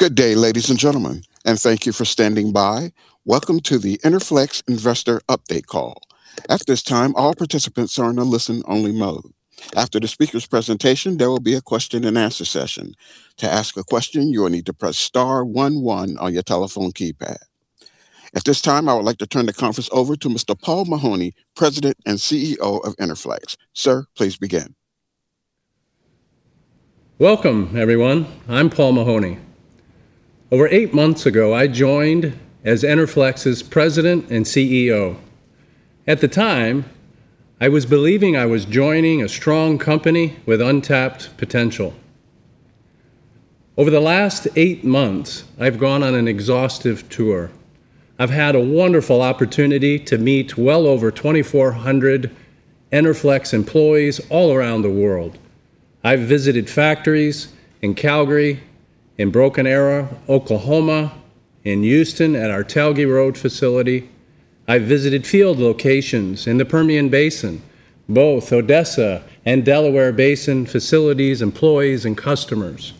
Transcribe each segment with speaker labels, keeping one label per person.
Speaker 1: Good day, ladies and gentlemen, and thank you for standing by. Welcome to the Enerflex Investor Update call. At this time, all participants are in a listen-only mode. After the speaker's presentation, there will be a question and answer session. To ask a question, you will need to press star one one on your telephone keypad. At this time, I would like to turn the conference over to Mr. Paul Mahoney, President and CEO of Enerflex. Sir, please begin.
Speaker 2: Welcome, everyone. I'm Paul Mahoney. Over eight months ago, I joined as Enerflex's President and CEO. At the time, I was believing I was joining a strong company with untapped potential. Over the last eight months, I've gone on an exhaustive tour. I've had a wonderful opportunity to meet well over 2,400 Enerflex employees all around the world. I've visited factories in Calgary, in Broken Arrow, Oklahoma, in Houston at our Telge Road facility. I've visited field locations in the Permian Basin, both Odessa and Delaware Basin facilities, employees, and customers.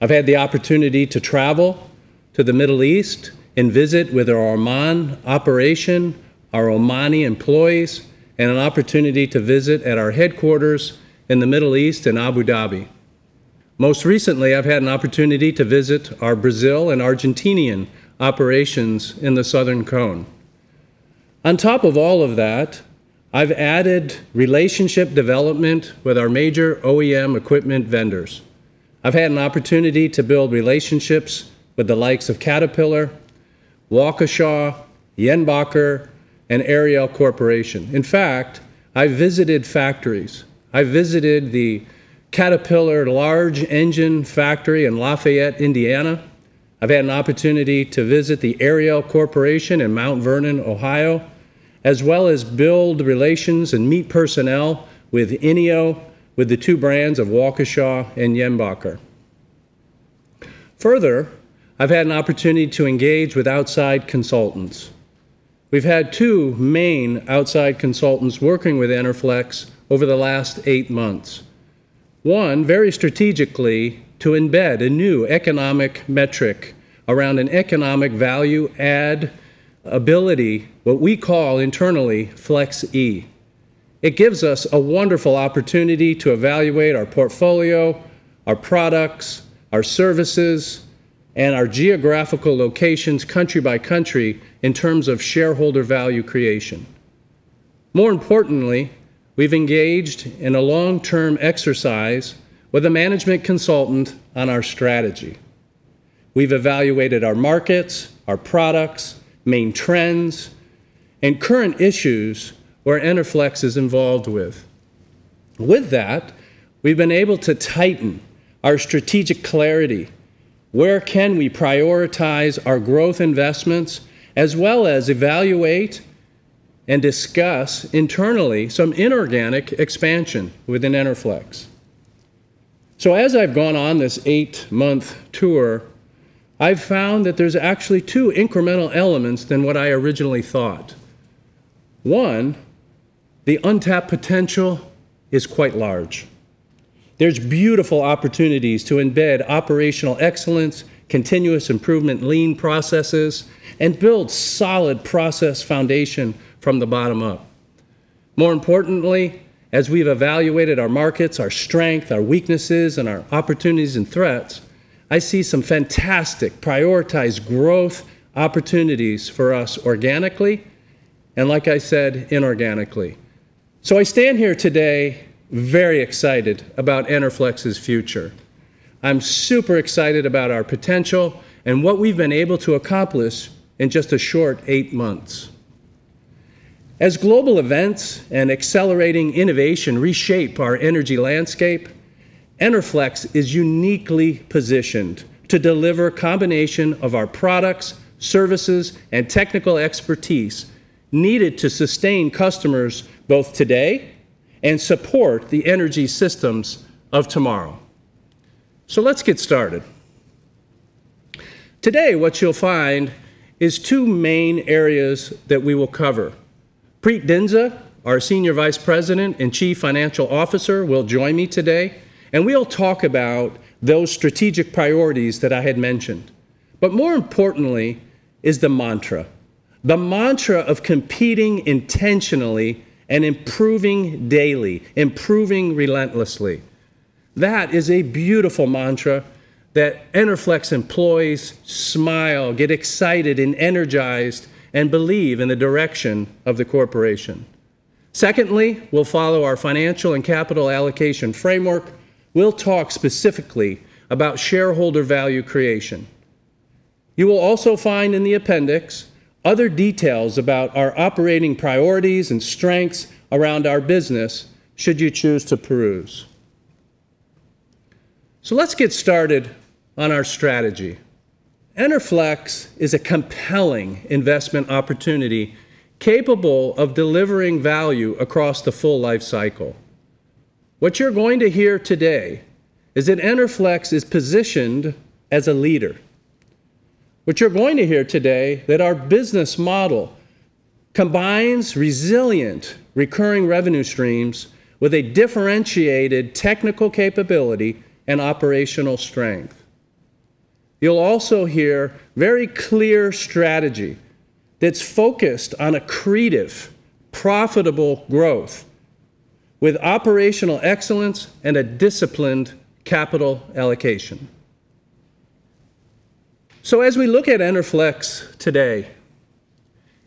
Speaker 2: I've had the opportunity to travel to the Middle East and visit with our Oman operation, our Omani employees, and an opportunity to visit at our headquarters in the Middle East in Abu Dhabi. Most recently, I've had an opportunity to visit our Brazil and Argentinian operations in the Southern Cone. On top of all of that, I've added relationship development with our major OEM equipment vendors. I've had an opportunity to build relationships with the likes of Caterpillar, Waukesha, Jenbacher, and Ariel Corporation. In fact, I visited factories. I visited the Caterpillar large engine factory in Lafayette, Indiana. I've had an opportunity to visit the Ariel Corporation in Mount Vernon, Ohio, as well as build relations and meet personnel with INNIO, with the two brands of Waukesha and Jenbacher. Further, I've had an opportunity to engage with outside consultants. We've had two main outside consultants working with Enerflex over the last eight months. One, very strategically to embed a new economic metric around an economic value add ability, what we call internally FLEXE. It gives us a wonderful opportunity to evaluate our portfolio, our products, our services, and our geographical locations country by country in terms of shareholder value creation. More importantly, we've engaged in a long-term exercise with a management consultant on our strategy. We've evaluated our markets, our products, main trends, and current issues where Enerflex is involved with. With that, we've been able to tighten our strategic clarity, where can we prioritize our growth investments, as well as evaluate and discuss internally some inorganic expansion within Enerflex. As I've gone on this eight-month tour, I've found that there's actually two incremental elements than what I originally thought. One, the untapped potential is quite large. There's beautiful opportunities to embed operational excellence, continuous improvement lean processes, and build solid process foundation from the bottom up. More importantly, as we've evaluated our markets, our strength, our weaknesses, and our opportunities and threats, I see some fantastic prioritized growth opportunities for us organically and like I said, inorganically. I stand here today very excited about Enerflex's future. I'm super excited about our potential and what we've been able to accomplish in just a short eight months. As global events and accelerating innovation reshape our energy landscape, Enerflex is uniquely positioned to deliver combination of our products, services, and technical expertise needed to sustain customers both today and support the energy systems of tomorrow. Let's get started. Today, what you'll find is two main areas that we will cover. Preet Dhindsa, our Senior Vice President and Chief Financial Officer, will join me today, and we'll talk about those strategic priorities that I had mentioned. More importantly is the mantra. The mantra of competing intentionally and improving daily, improving relentlessly. That is a beautiful mantra that Enerflex employees smile, get excited and energized, and believe in the direction of the corporation. Secondly, we'll follow our financial and capital allocation framework. We'll talk specifically about shareholder value creation. You will also find in the appendix other details about our operating priorities and strengths around our business should you choose to peruse. Let's get started on our strategy. Enerflex is a compelling investment opportunity capable of delivering value across the full life cycle. What you're going to hear today is Enerflex positioned as a leader. What you're going to hear today, that our business model combines resilient recurring revenue streams with a differentiated technical capability and operational strength. You'll also hear very clear strategy that's focused on accretive, profitable growth with operational excellence and a disciplined capital allocation. As we look at Enerflex today,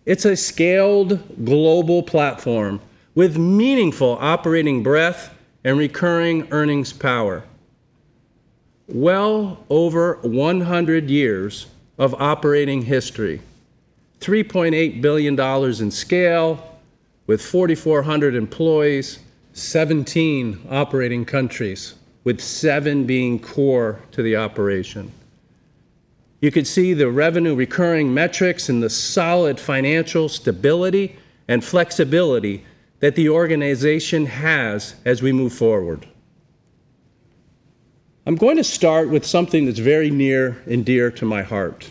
Speaker 2: it's a scaled global platform with meaningful operating breadth and recurring earnings power. Well over 100 years of operating history, $3.8 billion in scale with 4,400 employees, 17 operating countries, with seven being core to the operation. You could see the revenue recurring metrics and the solid financial stability and flexibility that the organization has as we move forward. I'm going to start with something that's very near and dear to my heart.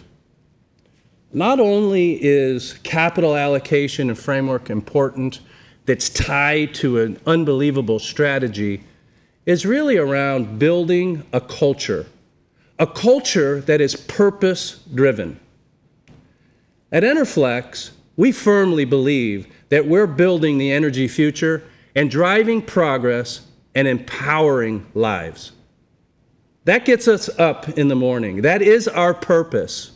Speaker 2: Not only is capital allocation and framework important that's tied to an unbelievable strategy, it's really around building a culture, a culture that is purpose-driven. At Enerflex, we firmly believe that we're building the energy future and driving progress and empowering lives. That gets us up in the morning. That is our purpose.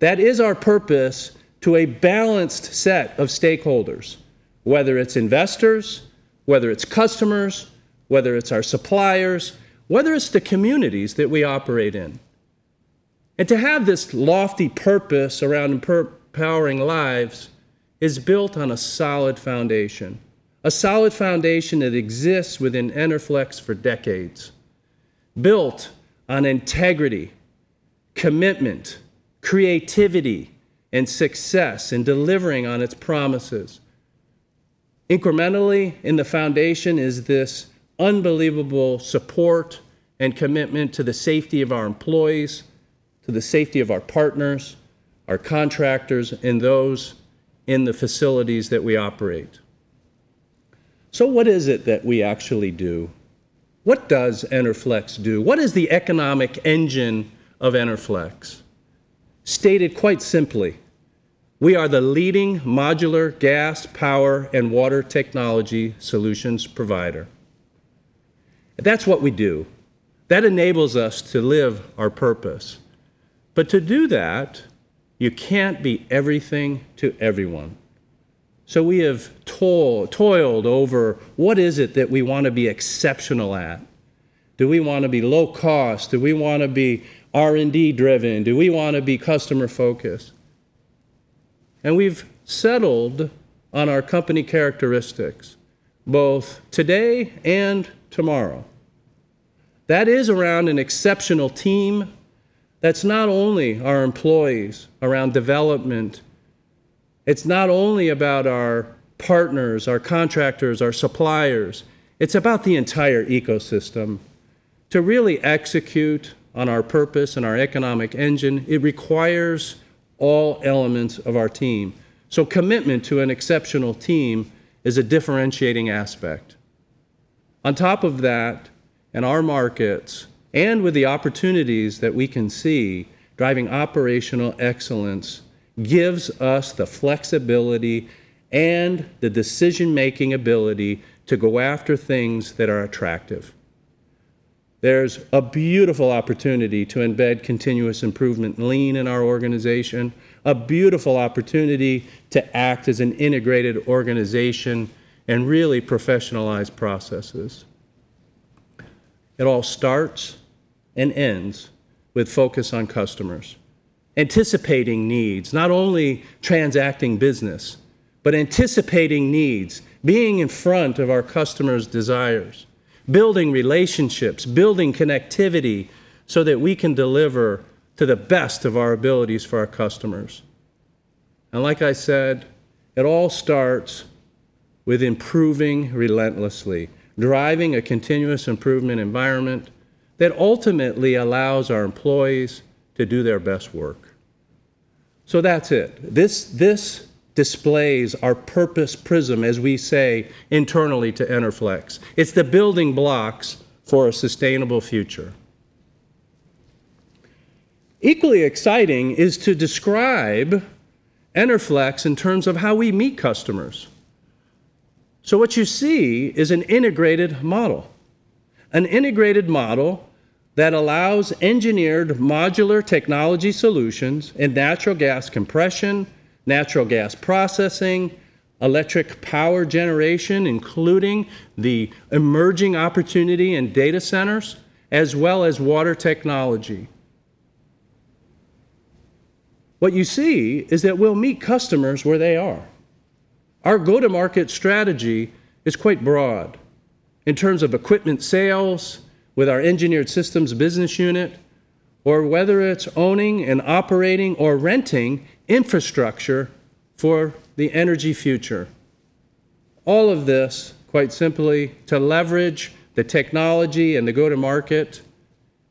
Speaker 2: That is our purpose to a balanced set of stakeholders, whether it's investors, whether it's customers, whether it's our suppliers, whether it's the communities that we operate in. To have this lofty purpose around empowering lives is built on a solid foundation, a solid foundation that exists within Enerflex for decades, built on integrity, commitment, creativity, and success in delivering on its promises. Incrementally in the foundation is this unbelievable support and commitment to the safety of our employees, to the safety of our partners, our contractors, and those in the facilities that we operate. What is it that we actually do? What does Enerflex do? What is the economic engine of Enerflex? Stated quite simply, we are the leading modular gas, power, and water technology solutions provider. That's what we do. That enables us to live our purpose. To do that, you can't be everything to everyone. We have toiled over what is it that we want to be exceptional at? Do we want to be low cost? Do we want to be R&D driven? Do we want to be customer focused? We've settled on our company characteristics both today and tomorrow. That is around an exceptional team that's not only our employees around development, it's not only about our partners, our contractors, our suppliers, it's about the entire ecosystem. To really execute on our purpose and our economic engine, it requires all elements of our team. Commitment to an exceptional team is a differentiating aspect. On top of that, in our markets and with the opportunities that we can see, driving operational excellence gives us the flexibility and the decision-making ability to go after things that are attractive. There's a beautiful opportunity to embed continuous improvement lean in our organization, a beautiful opportunity to act as an integrated organization and really professionalize processes. It all starts and ends with focus on customers. Anticipating needs, not only transacting business, but anticipating needs, being in front of our customers' desires, building relationships, building connectivity so that we can deliver to the best of our abilities for our customers. Like I said, it all starts with improving relentlessly, driving a continuous improvement environment that ultimately allows our employees to do their best work. That's it. This displays our purpose prism, as we say internally to Enerflex. It's the building blocks for a sustainable future. Equally exciting is to describe Enerflex in terms of how we meet customers. What you see is an integrated model, an integrated model that allows engineered modular technology solutions in natural gas compression, natural gas processing, electric power generation, including the emerging opportunity in data centers, as well as water technology. What you see is that we'll meet customers where they are. Our go-to-market strategy is quite broad in terms of equipment sales with our Engineered Systems business unit, or whether it's owning and operating or renting infrastructure for the energy future. All of this, quite simply, to leverage the technology and the go-to-market,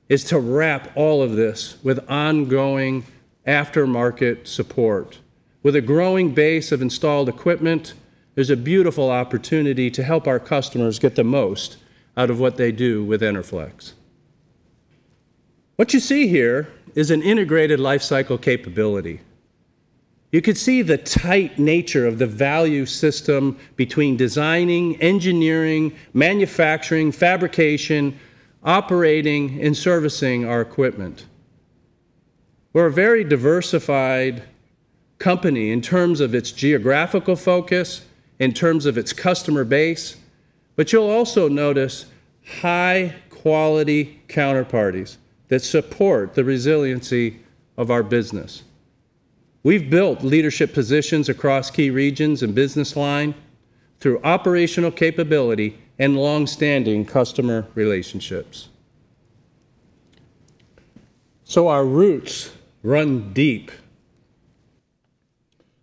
Speaker 2: is to wrap all of this with ongoing aftermarket support. With a growing base of installed equipment, there's a beautiful opportunity to help our customers get the most out of what they do with Enerflex. What you see here is an integrated lifecycle capability. You could see the tight nature of the value system between designing, engineering, manufacturing, fabrication, operating, and servicing our equipment. We're a very diversified company in terms of its geographical focus, in terms of its customer base, but you'll also notice high-quality counterparties that support the resiliency of our business. We've built leadership positions across key regions and business line through operational capability and longstanding customer relationships. Our roots run deep.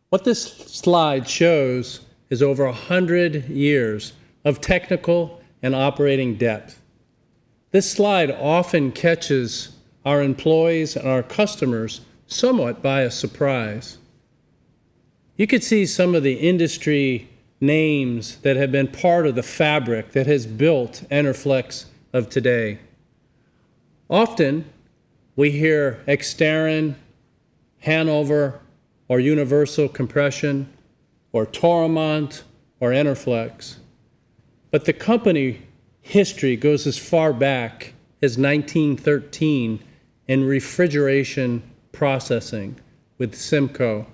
Speaker 2: What this slide shows is over 100 years of technical and operating depth. This slide often catches our employees and our customers somewhat by surprise. You could see some of the industry names that have been part of the fabric that has built Enerflex of today. Often, we hear Exterran, Hanover, or Universal Compression, or Toromont, or Enerflex, but the company history goes as far back as 1913 in refrigeration processing with CIMCO.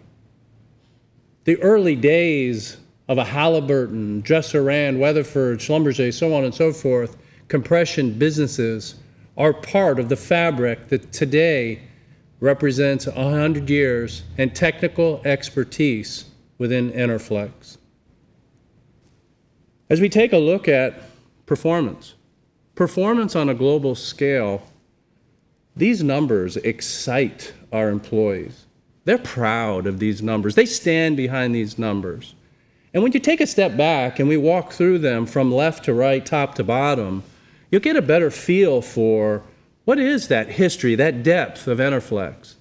Speaker 2: The early days of a Halliburton, Dresser-Rand, Weatherford, Schlumberger, so on and so forth, compression businesses are part of the fabric that today represents 100 years in technical expertise within Enerflex. As we take a look at performance on a global scale, these numbers excite our employees. They're proud of these numbers. They stand behind these numbers. When you take a step back and we walk through them from left to right, top to bottom, you'll get a better feel for what is that history, that depth of Enerflex.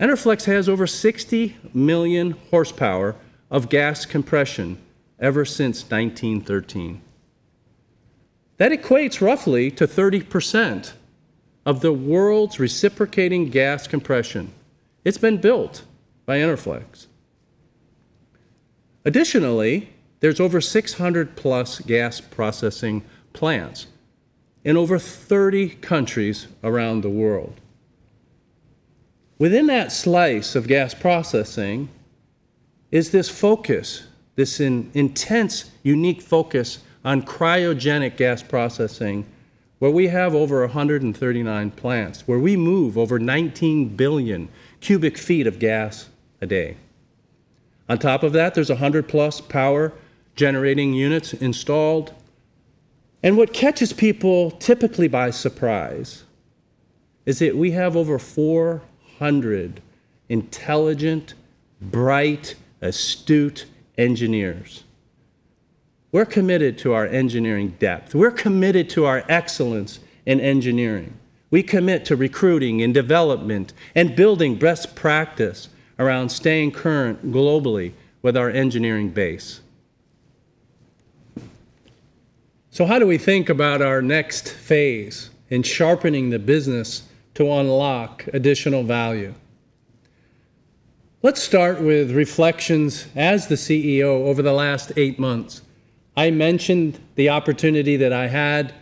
Speaker 2: Enerflex has over 60 million horsepower of gas compression ever since 1913. That equates roughly to 30% of the world's reciprocating gas compression. It's been built by Enerflex. Additionally, there's over 600+ gas processing plants in over 30 countries around the world. Within that slice of gas processing is this focus, this intense, unique focus on cryogenic gas processing, where we have over 139 plants, where we move over 19 billion cu ft of gas a day. On top of that, there's 100+ power generating units installed. What catches people typically by surprise is that we have over 400 intelligent, bright, astute engineers. We're committed to our engineering depth. We're committed to our excellence in engineering. We commit to recruiting and development and building best practice around staying current globally with our engineering base. How do we think about our next phase in sharpening the business to unlock additional value? Let's start with reflections as the CEO over the last eight months. I mentioned the opportunity that I had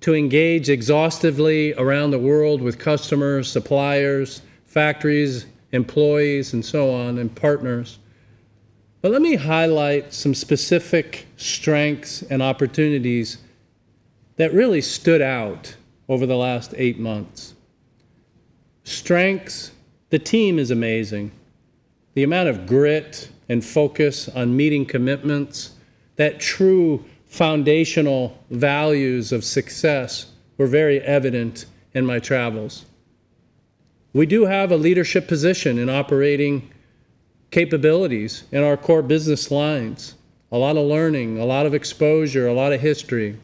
Speaker 2: to engage exhaustively around the world with customers, suppliers, factories, employees, and so on, and partners. Let me highlight some specific strengths and opportunities that really stood out over the last eight months. Strengths, the team is amazing. The amount of grit and focus on meeting commitments, that true foundational values of success were very evident in my travels. We do have a leadership position in operating capabilities in our core business lines. A lot of learning, a lot of exposure, a lot of history.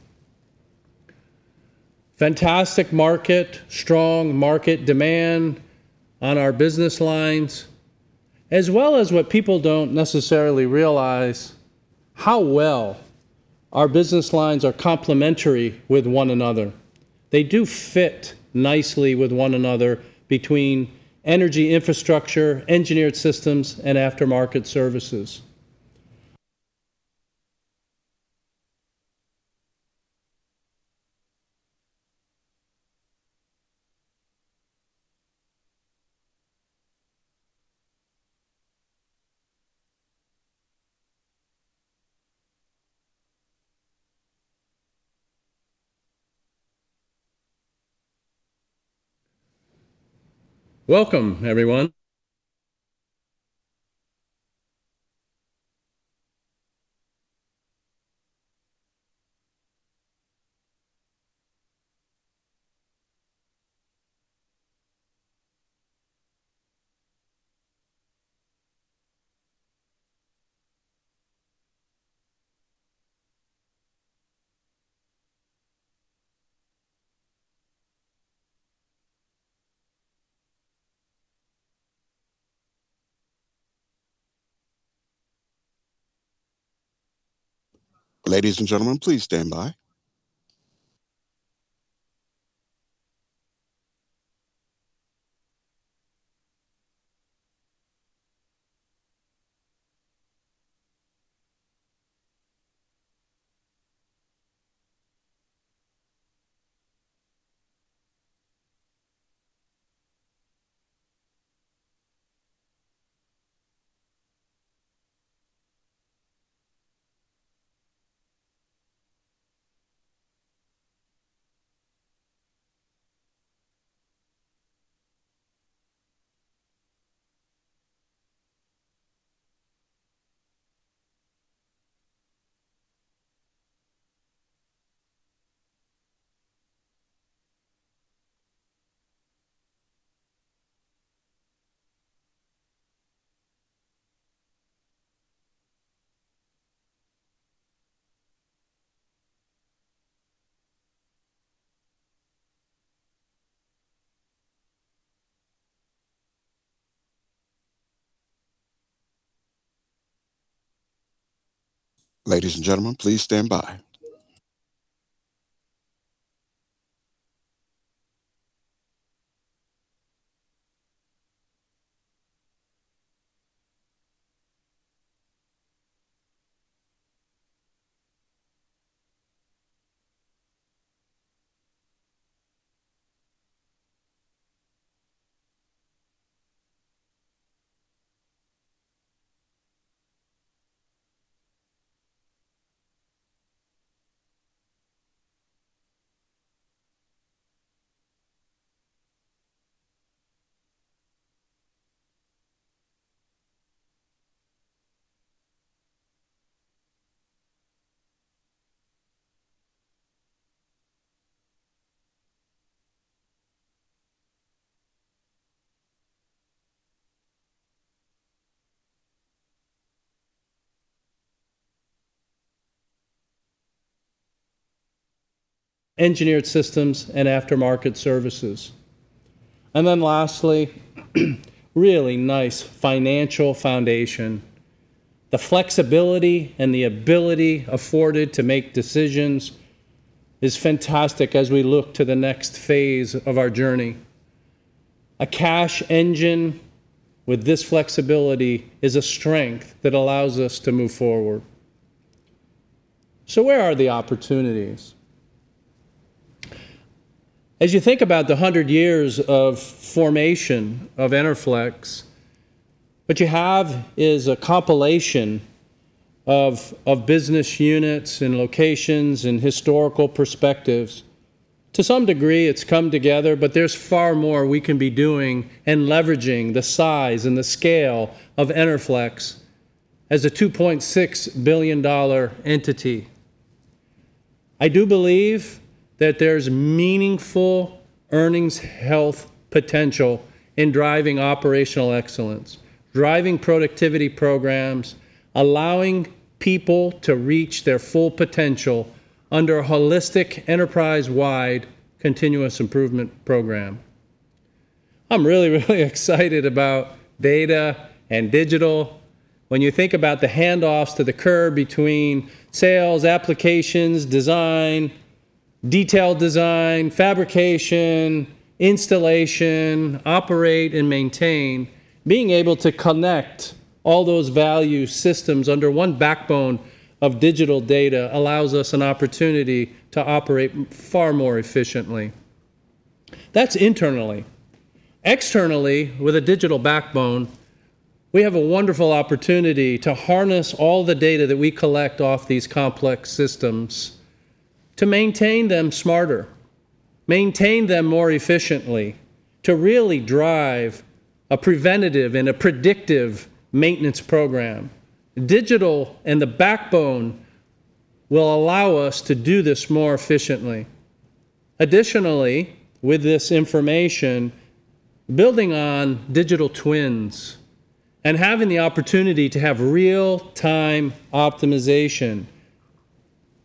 Speaker 2: Fantastic market, strong market demand on our business lines, as well as what people don't necessarily realize how well our business lines are complementary with one another. They do fit nicely with one another between Energy Infrastructure, Engineered Systems, and Aftermarket Services. Welcome, everyone.
Speaker 1: Ladies and gentlemen, please stand by. Ladies and gentlemen, please stand by.
Speaker 2: Engineered Systems and Aftermarket Services. Lastly, really nice financial foundation. The flexibility and the ability afforded to make decisions is fantastic as we look to the next phase of our journey. A cash engine with this flexibility is a strength that allows us to move forward. Where are the opportunities? As you think about the 100 years of formation of Enerflex, what you have is a compilation of business units and locations and historical perspectives. To some degree, it's come together, but there's far more we can be doing in leveraging the size and the scale of Enerflex as a $2.6 billion entity. I do believe that there's meaningful earnings health potential in driving operational excellence, driving productivity programs, allowing people to reach their full potential under a holistic, enterprise-wide continuous improvement program. I'm really excited about data and digital. When you think about the handoffs that occur between sales, applications, design, detailed design, fabrication, installation, operate, and maintain, being able to connect all those value systems under one backbone of digital data allows us an opportunity to operate far more efficiently. That's internally. Externally, with a digital backbone, we have a wonderful opportunity to harness all the data that we collect off these complex systems to maintain them smarter, maintain them more efficiently, to really drive a preventative and a predictive maintenance program. Digital and the backbone will allow us to do this more efficiently. Additionally, with this information, building on digital twins and having the opportunity to have real-time optimization,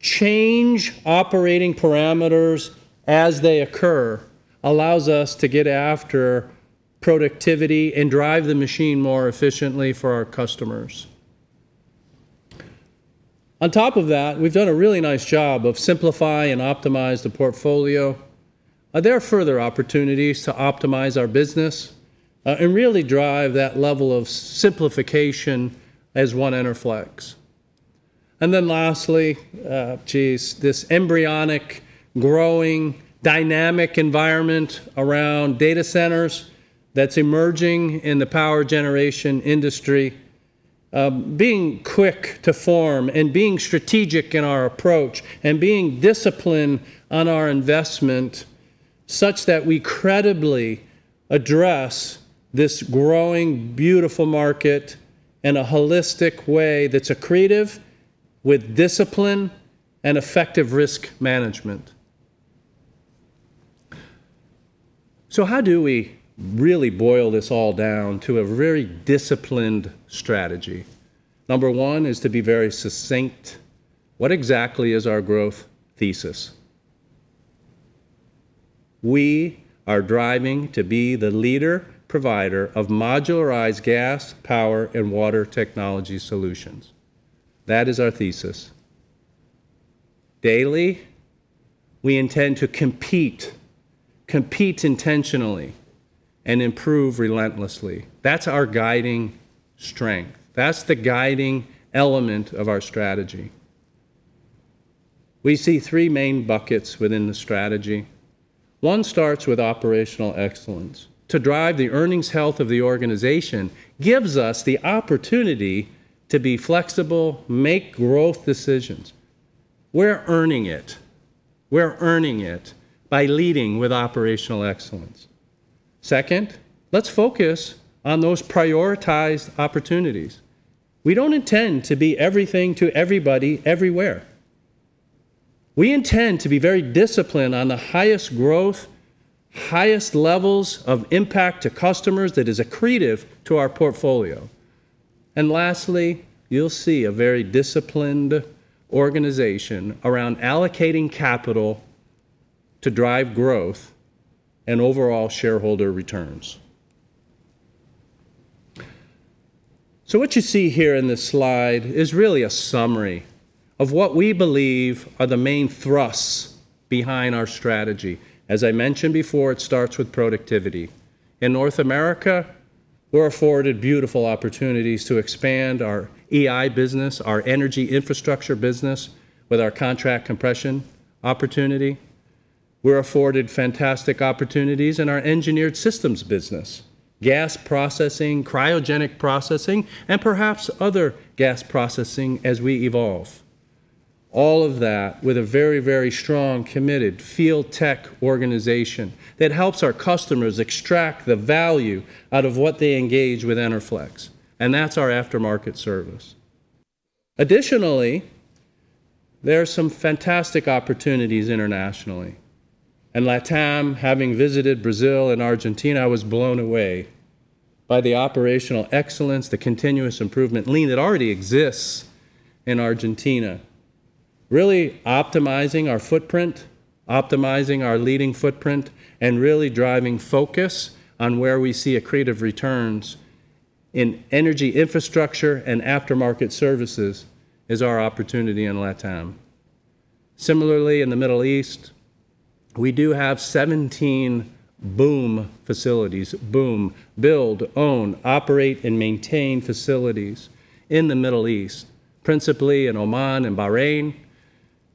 Speaker 2: change operating parameters as they occur, allows us to get after productivity and drive the machine more efficiently for our customers. On top of that, we've done a really nice job of simplify and optimize the portfolio. Are there further opportunities to optimize our business and really drive that level of simplification as one Enerflex? Lastly, geez, this embryonic growing dynamic environment around data centers that's emerging in the power generation industry, being quick to form and being strategic in our approach and being disciplined on our investment such that we credibly address this growing beautiful market in a holistic way that's accretive with discipline and effective risk management. How do we really boil this all down to a very disciplined strategy? Number one is to be very succinct. What exactly is our growth thesis? We are driving to be the leader provider of modularized gas, power, and water technology solutions. That is our thesis. Daily, we intend to compete intentionally and improve relentlessly. That's our guiding strength. That's the guiding element of our strategy. We see three main buckets within the strategy. One starts with operational excellence. To drive the earnings health of the organization gives us the opportunity to be flexible, make growth decisions. We're earning it. We're earning it by leading with operational excellence. Second, let's focus on those prioritized opportunities. We don't intend to be everything to everybody everywhere. We intend to be very disciplined on the highest growth, highest levels of impact to customers that is accretive to our portfolio. Lastly, you'll see a very disciplined organization around allocating capital to drive growth and overall shareholder returns. What you see here in this slide is really a summary of what we believe are the main thrusts behind our strategy. As I mentioned before, it starts with productivity. In North America, we're afforded beautiful opportunities to expand our EI business, our Energy Infrastructure business, with our contract compression opportunity. We're afforded fantastic opportunities in our Engineered Systems business, gas processing, cryogenic processing, and perhaps other gas processing as we evolve. All of that with a very, very strong, committed field tech organization that helps our customers extract the value out of what they engage with Enerflex, and that's our Aftermarket Service. Additionally, there are some fantastic opportunities internationally. In LATAM, having visited Brazil and Argentina, I was blown away by the operational excellence, the continuous improvement lean that already exists in Argentina. Really optimizing our footprint, optimizing our leading footprint, and really driving focus on where we see accretive returns in Energy Infrastructure and Aftermarket Services is our opportunity in LATAM. Similarly, in the Middle East, we do have 17 BOOM facilities. BOOM: build, own, operate, and maintain facilities in the Middle East, principally in Oman and Bahrain.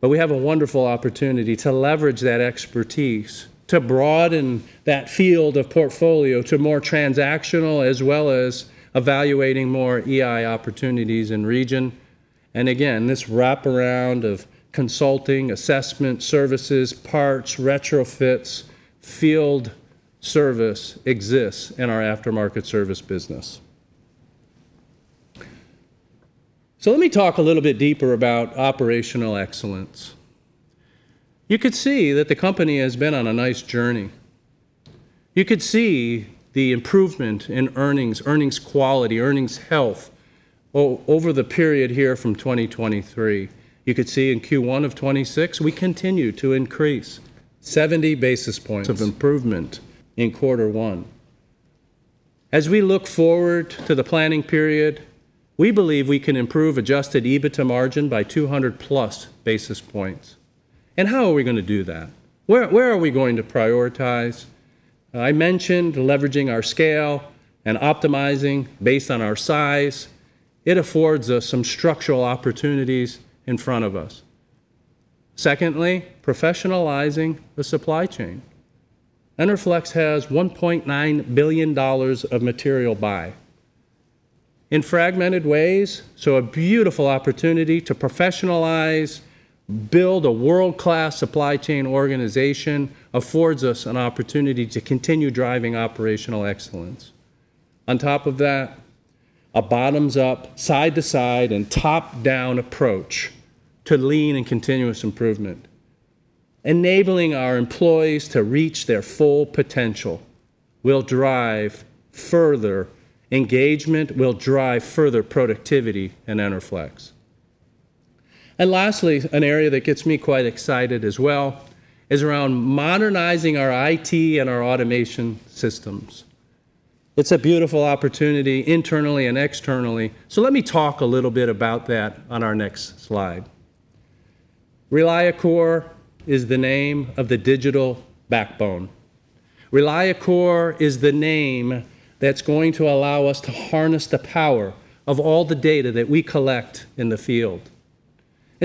Speaker 2: We have a wonderful opportunity to leverage that expertise to broaden that field of portfolio to more transactional, as well as evaluating more EI opportunities in region. Again, this wraparound of consulting, assessment, services, parts, retrofits, field service exists in our Aftermarket Service business. Let me talk a little bit deeper about operational excellence. You could see that the company has been on a nice journey. You could see the improvement in earnings quality, earnings health, over the period here from 2023. You could see in Q1 of 2026, we continue to increase. 70 basis points of improvement in quarter one. As we look forward to the planning period, we believe we can improve adjusted EBITDA margin by 200+ basis points. How are we going to do that? Where are we going to prioritize? I mentioned leveraging our scale and optimizing based on our size. It affords us some structural opportunities in front of us. Secondly, professionalizing the supply chain. Enerflex has $1.9 billion of material buy. In fragmented ways, so a beautiful opportunity to professionalize, build a world-class supply chain organization affords us an opportunity to continue driving operational excellence. On top of that, a bottoms-up, side-to-side, and top-down approach to lean and continuous improvement, enabling our employees to reach their full potential will drive further engagement, will drive further productivity in Enerflex. Lastly, an area that gets me quite excited as well is around modernizing our IT and our automation systems. It's a beautiful opportunity internally and externally. Let me talk a little bit about that on our next slide. ReliaCore is the name of the digital backbone. ReliaCore is the name that's going to allow us to harness the power of all the data that we collect in the field.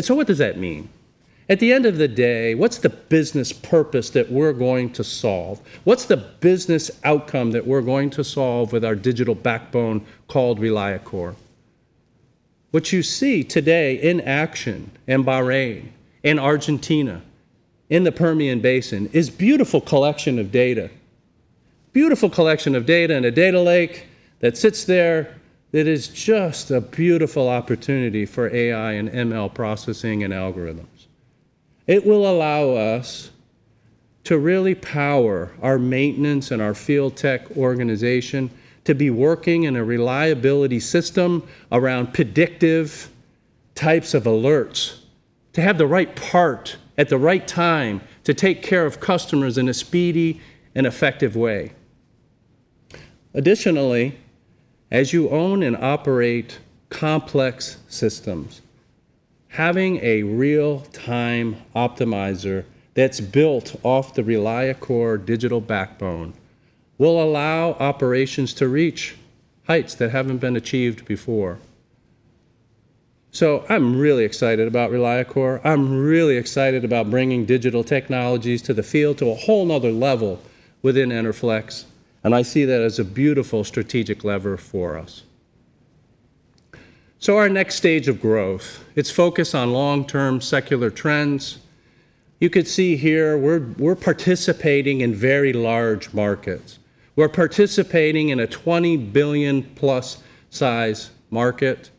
Speaker 2: What does that mean? At the end of the day, what's the business purpose that we're going to solve? What's the business outcome that we're going to solve with our digital backbone called ReliaCore? What you see today in action in Bahrain, in Argentina, in the Permian Basin, is beautiful collection of data in a data lake that sits there that is just a beautiful opportunity for AI and ML processing and algorithms. It will allow us to really power our maintenance and our field tech organization to be working in a reliability system around predictive types of alerts, to have the right part at the right time, to take care of customers in a speedy and effective way. Additionally, as you own and operate complex systems, having a real-time optimizer that's built off the ReliaCore digital backbone will allow operations to reach heights that haven't been achieved before. I'm really excited about ReliaCore. I'm really excited about bringing digital technologies to the field to a whole another level within Enerflex, and I see that as a beautiful strategic lever for us. Our next stage of growth, it's focused on long-term secular trends. You could see here we're participating in very large markets. We're participating in a $20 billion+ size market.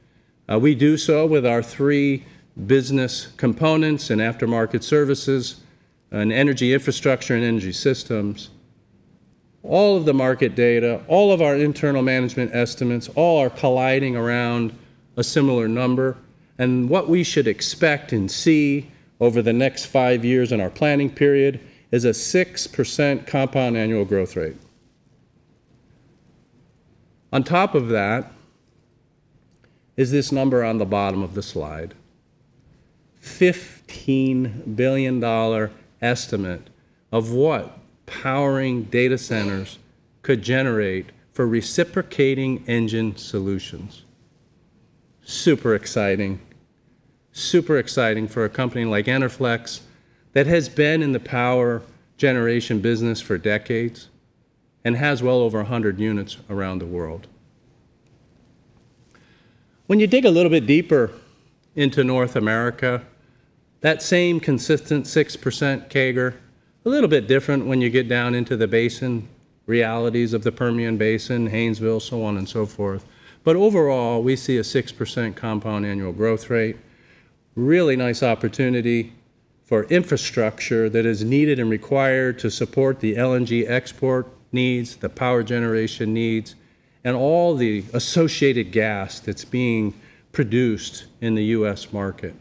Speaker 2: We do so with our three business components in Aftermarket Services and Energy Infrastructure and Energy Systems. All of the market data, all of our internal management estimates, all are colliding around a similar number. What we should expect and see over the next five years in our planning period is a 6% compound annual growth rate. On top of that is this number on the bottom of the slide, $15 billion estimate of what powering data centers could generate for reciprocating engine solutions. Super exciting. Super exciting for a company like Enerflex that has been in the power generation business for decades and has well over 100 units around the world. When you dig a little bit deeper into North America, that same consistent 6% CAGR, a little bit different when you get down into the basin realities of the Permian Basin, Haynesville, so on and so forth. Overall, we see a 6% compound annual growth rate. Really nice opportunity for infrastructure that is needed and required to support the LNG export needs, the power generation needs, and all the associated gas that's being produced in the U.S. market.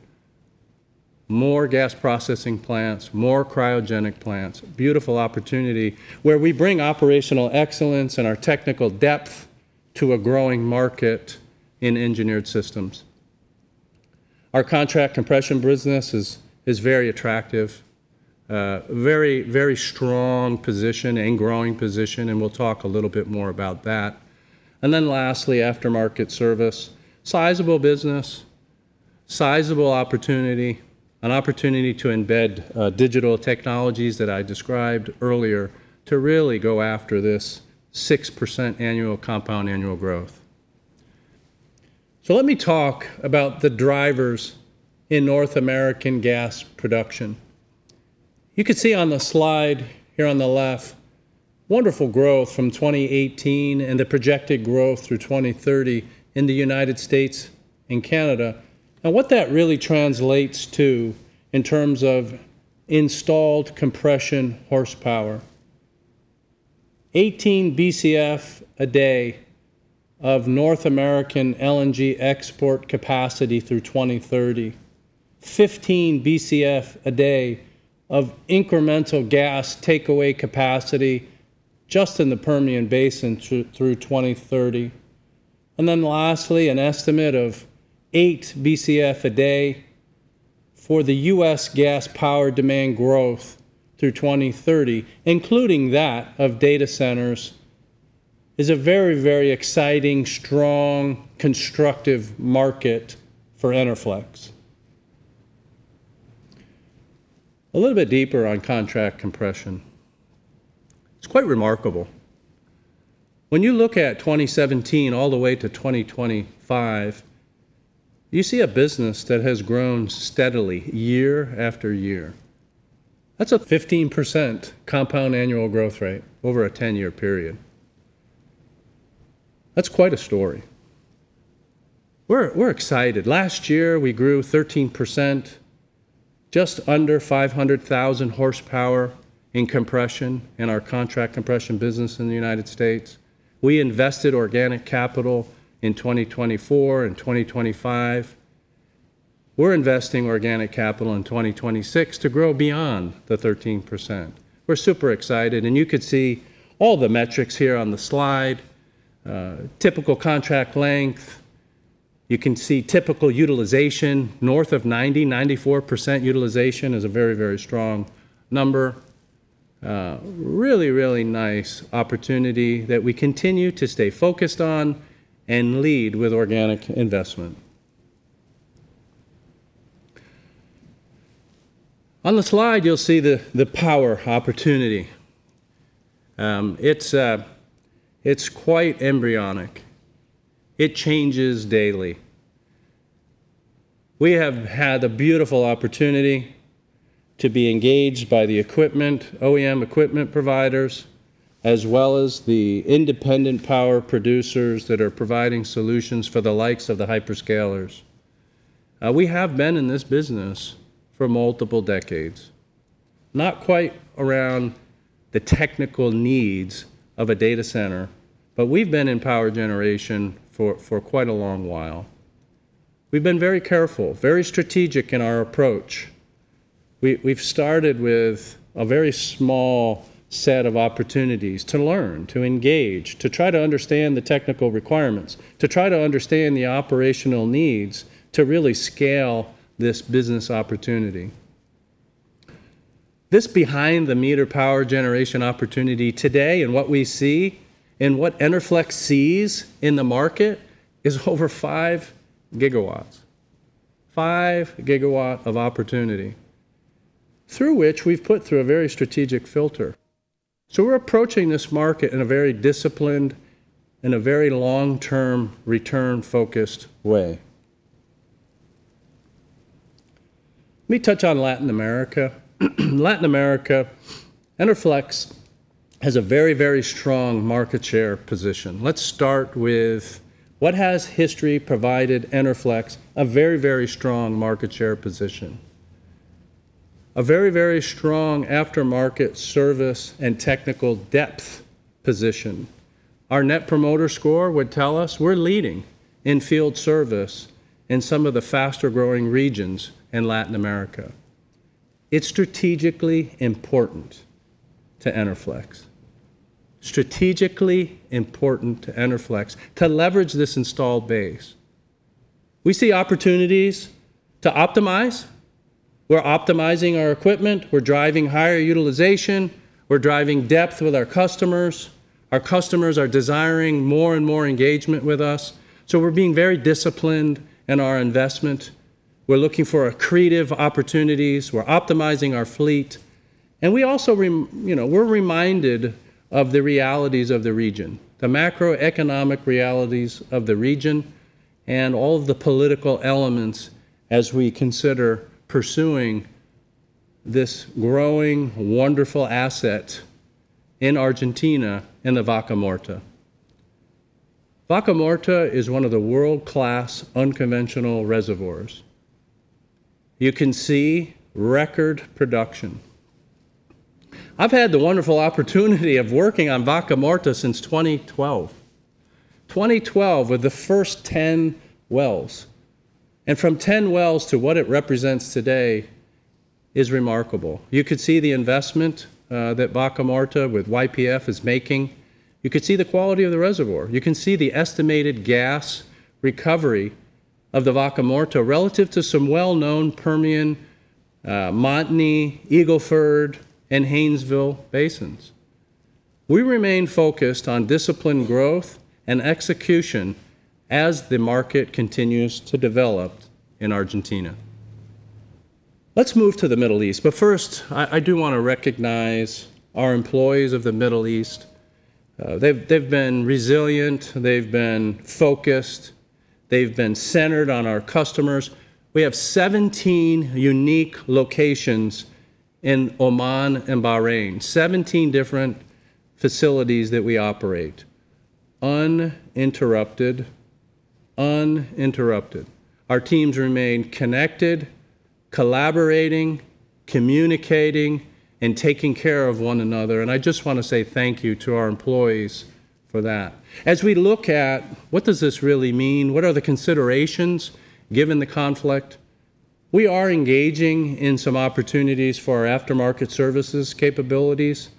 Speaker 2: More gas processing plants, more cryogenic plants. Beautiful opportunity where we bring operational excellence and our technical depth to a growing market in Engineered Systems. Our contract compression business is very attractive. Very strong position and growing position, We'll talk a little bit more about that. Lastly, Aftermarket Service. Sizable business, sizable opportunity, an opportunity to embed digital technologies that I described earlier to really go after this 6% annual compound annual growth. Let me talk about the drivers in North American gas production. You could see on the slide here on the left, wonderful growth from 2018 and the projected growth through 2030 in the United States and Canada. What that really translates to in terms of installed compression horsepower, 18 Bcf a day of North American LNG export capacity through 2030. 15 Bcf a day of incremental gas takeaway capacity just in the Permian Basin through 2030. Lastly, an estimate of 8 Bcf a day for the U.S. gas power demand growth through 2030, including that of data centers, is a very exciting, strong, constructive market for Enerflex. A little bit deeper on contract compression. It's quite remarkable. When you look at 2017 all the way to 2025, you see a business that has grown steadily year after year. That's a 15% compound annual growth rate over a 10-year period. That's quite a story. We're excited. Last year, we grew 13%, just under 500,000 horsepower in compression in our contract compression business in the U.S. We invested organic capital in 2024 and 2025. We're investing organic capital in 2026 to grow beyond the 13%. We're super excited. You could see all the metrics here on the slide. Typical contract length. You can see typical utilization. North of 90%, 94% utilization is a very strong number. Really nice opportunity that we continue to stay focused on and lead with organic investment. On the slide, you'll see the power opportunity. It's quite embryonic. It changes daily. We have had a beautiful opportunity to be engaged by the OEM equipment providers, as well as the independent power producers that are providing solutions for the likes of the hyperscalers. We have been in this business for multiple decades. Not quite around the technical needs of a data center, but we've been in power generation for quite a long while. We've been very careful, very strategic in our approach. We've started with a very small set of opportunities to learn, to engage, to try to understand the technical requirements, to try to understand the operational needs to really scale this business opportunity. This behind-the-meter power generation opportunity today, and what we see and what Enerflex sees in the market is over 5 GW. 5 GW of opportunity through which we've put through a very strategic filter. We're approaching this market in a very disciplined and a very long-term, return-focused way. Let me touch on Latin America. Latin America, Enerflex has a very strong market share position. Let's start with what has history provided Enerflex a very strong market share position. A very strong aftermarket service and technical depth position. Our net promoter score would tell us we're leading in field service in some of the faster-growing regions in Latin America. It's strategically important to Enerflex. Strategically important to Enerflex to leverage this installed base. We see opportunities to optimize. We're optimizing our equipment. We're driving higher utilization. We're driving depth with our customers. Our customers are desiring more and more engagement with us. We're being very disciplined in our investment. We're looking for creative opportunities. We're optimizing our fleet. We're reminded of the realities of the region, the macroeconomic realities of the region, and all of the political elements as we consider pursuing this growing, wonderful asset in Argentina in the Vaca Muerta. Vaca Muerta is one of the world-class unconventional reservoirs. You can see record production. I've had the wonderful opportunity of working on Vaca Muerta since 2012. 2012 with the first 10 wells. From 10 wells to what it represents today is remarkable. You could see the investment that Vaca Muerta with YPF is making. You could see the quality of the reservoir. You can see the estimated gas recovery of the Vaca Muerta relative to some well-known Permian, Montney, Eagle Ford, and Haynesville basins. We remain focused on disciplined growth and execution as the market continues to develop in Argentina. Let's move to the Middle East. First, I do want to recognize our employees of the Middle East. They've been resilient. They've been focused. They've been centered on our customers. We have 17 unique locations in Oman and Bahrain. 17 different facilities that we operate. Uninterrupted. Uninterrupted. Our teams remain connected, collaborating, communicating, and taking care of one another, and I just want to say thank you to our employees for that. As we look at what does this really mean, what are the considerations given the conflict, we are engaging in some opportunities for our Aftermarket Services capabilities.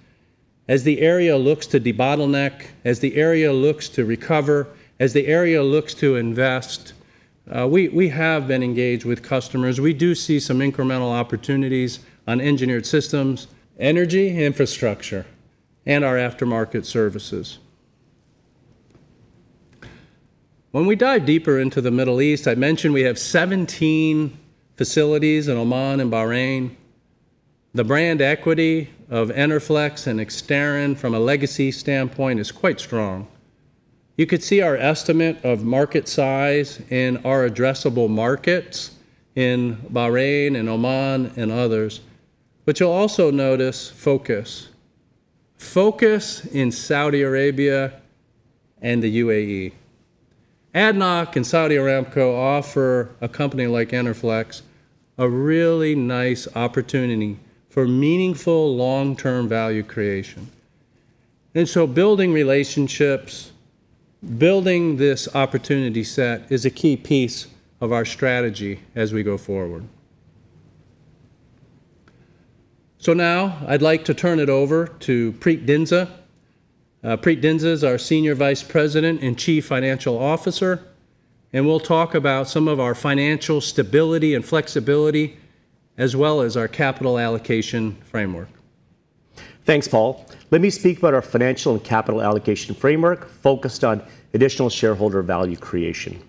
Speaker 2: As the area looks to debottleneck, as the area looks to recover, as the area looks to invest, we have been engaged with customers. We do see some incremental opportunities on Engineered Systems, Energy Infrastructure, and our Aftermarket Services. When we dive deeper into the Middle East, I mentioned we have 17 facilities in Oman and Bahrain. The brand equity of Enerflex and Exterran from a legacy standpoint is quite strong. You could see our estimate of market size in our addressable markets in Bahrain and Oman and others. You'll also notice focus. Focus in Saudi Arabia and the UAE. ADNOC and Saudi Aramco offer a company like Enerflex a really nice opportunity for meaningful long-term value creation. Building relationships, building this opportunity set is a key piece of our strategy as we go forward. Now I'd like to turn it over to Preet Dhindsa. Preet Dhindsa's our Senior Vice President and Chief Financial Officer, and will talk about some of our financial stability and flexibility as well as our capital allocation framework.
Speaker 3: Thanks, Paul. Let me speak about our financial and capital allocation framework focused on additional shareholder value creation.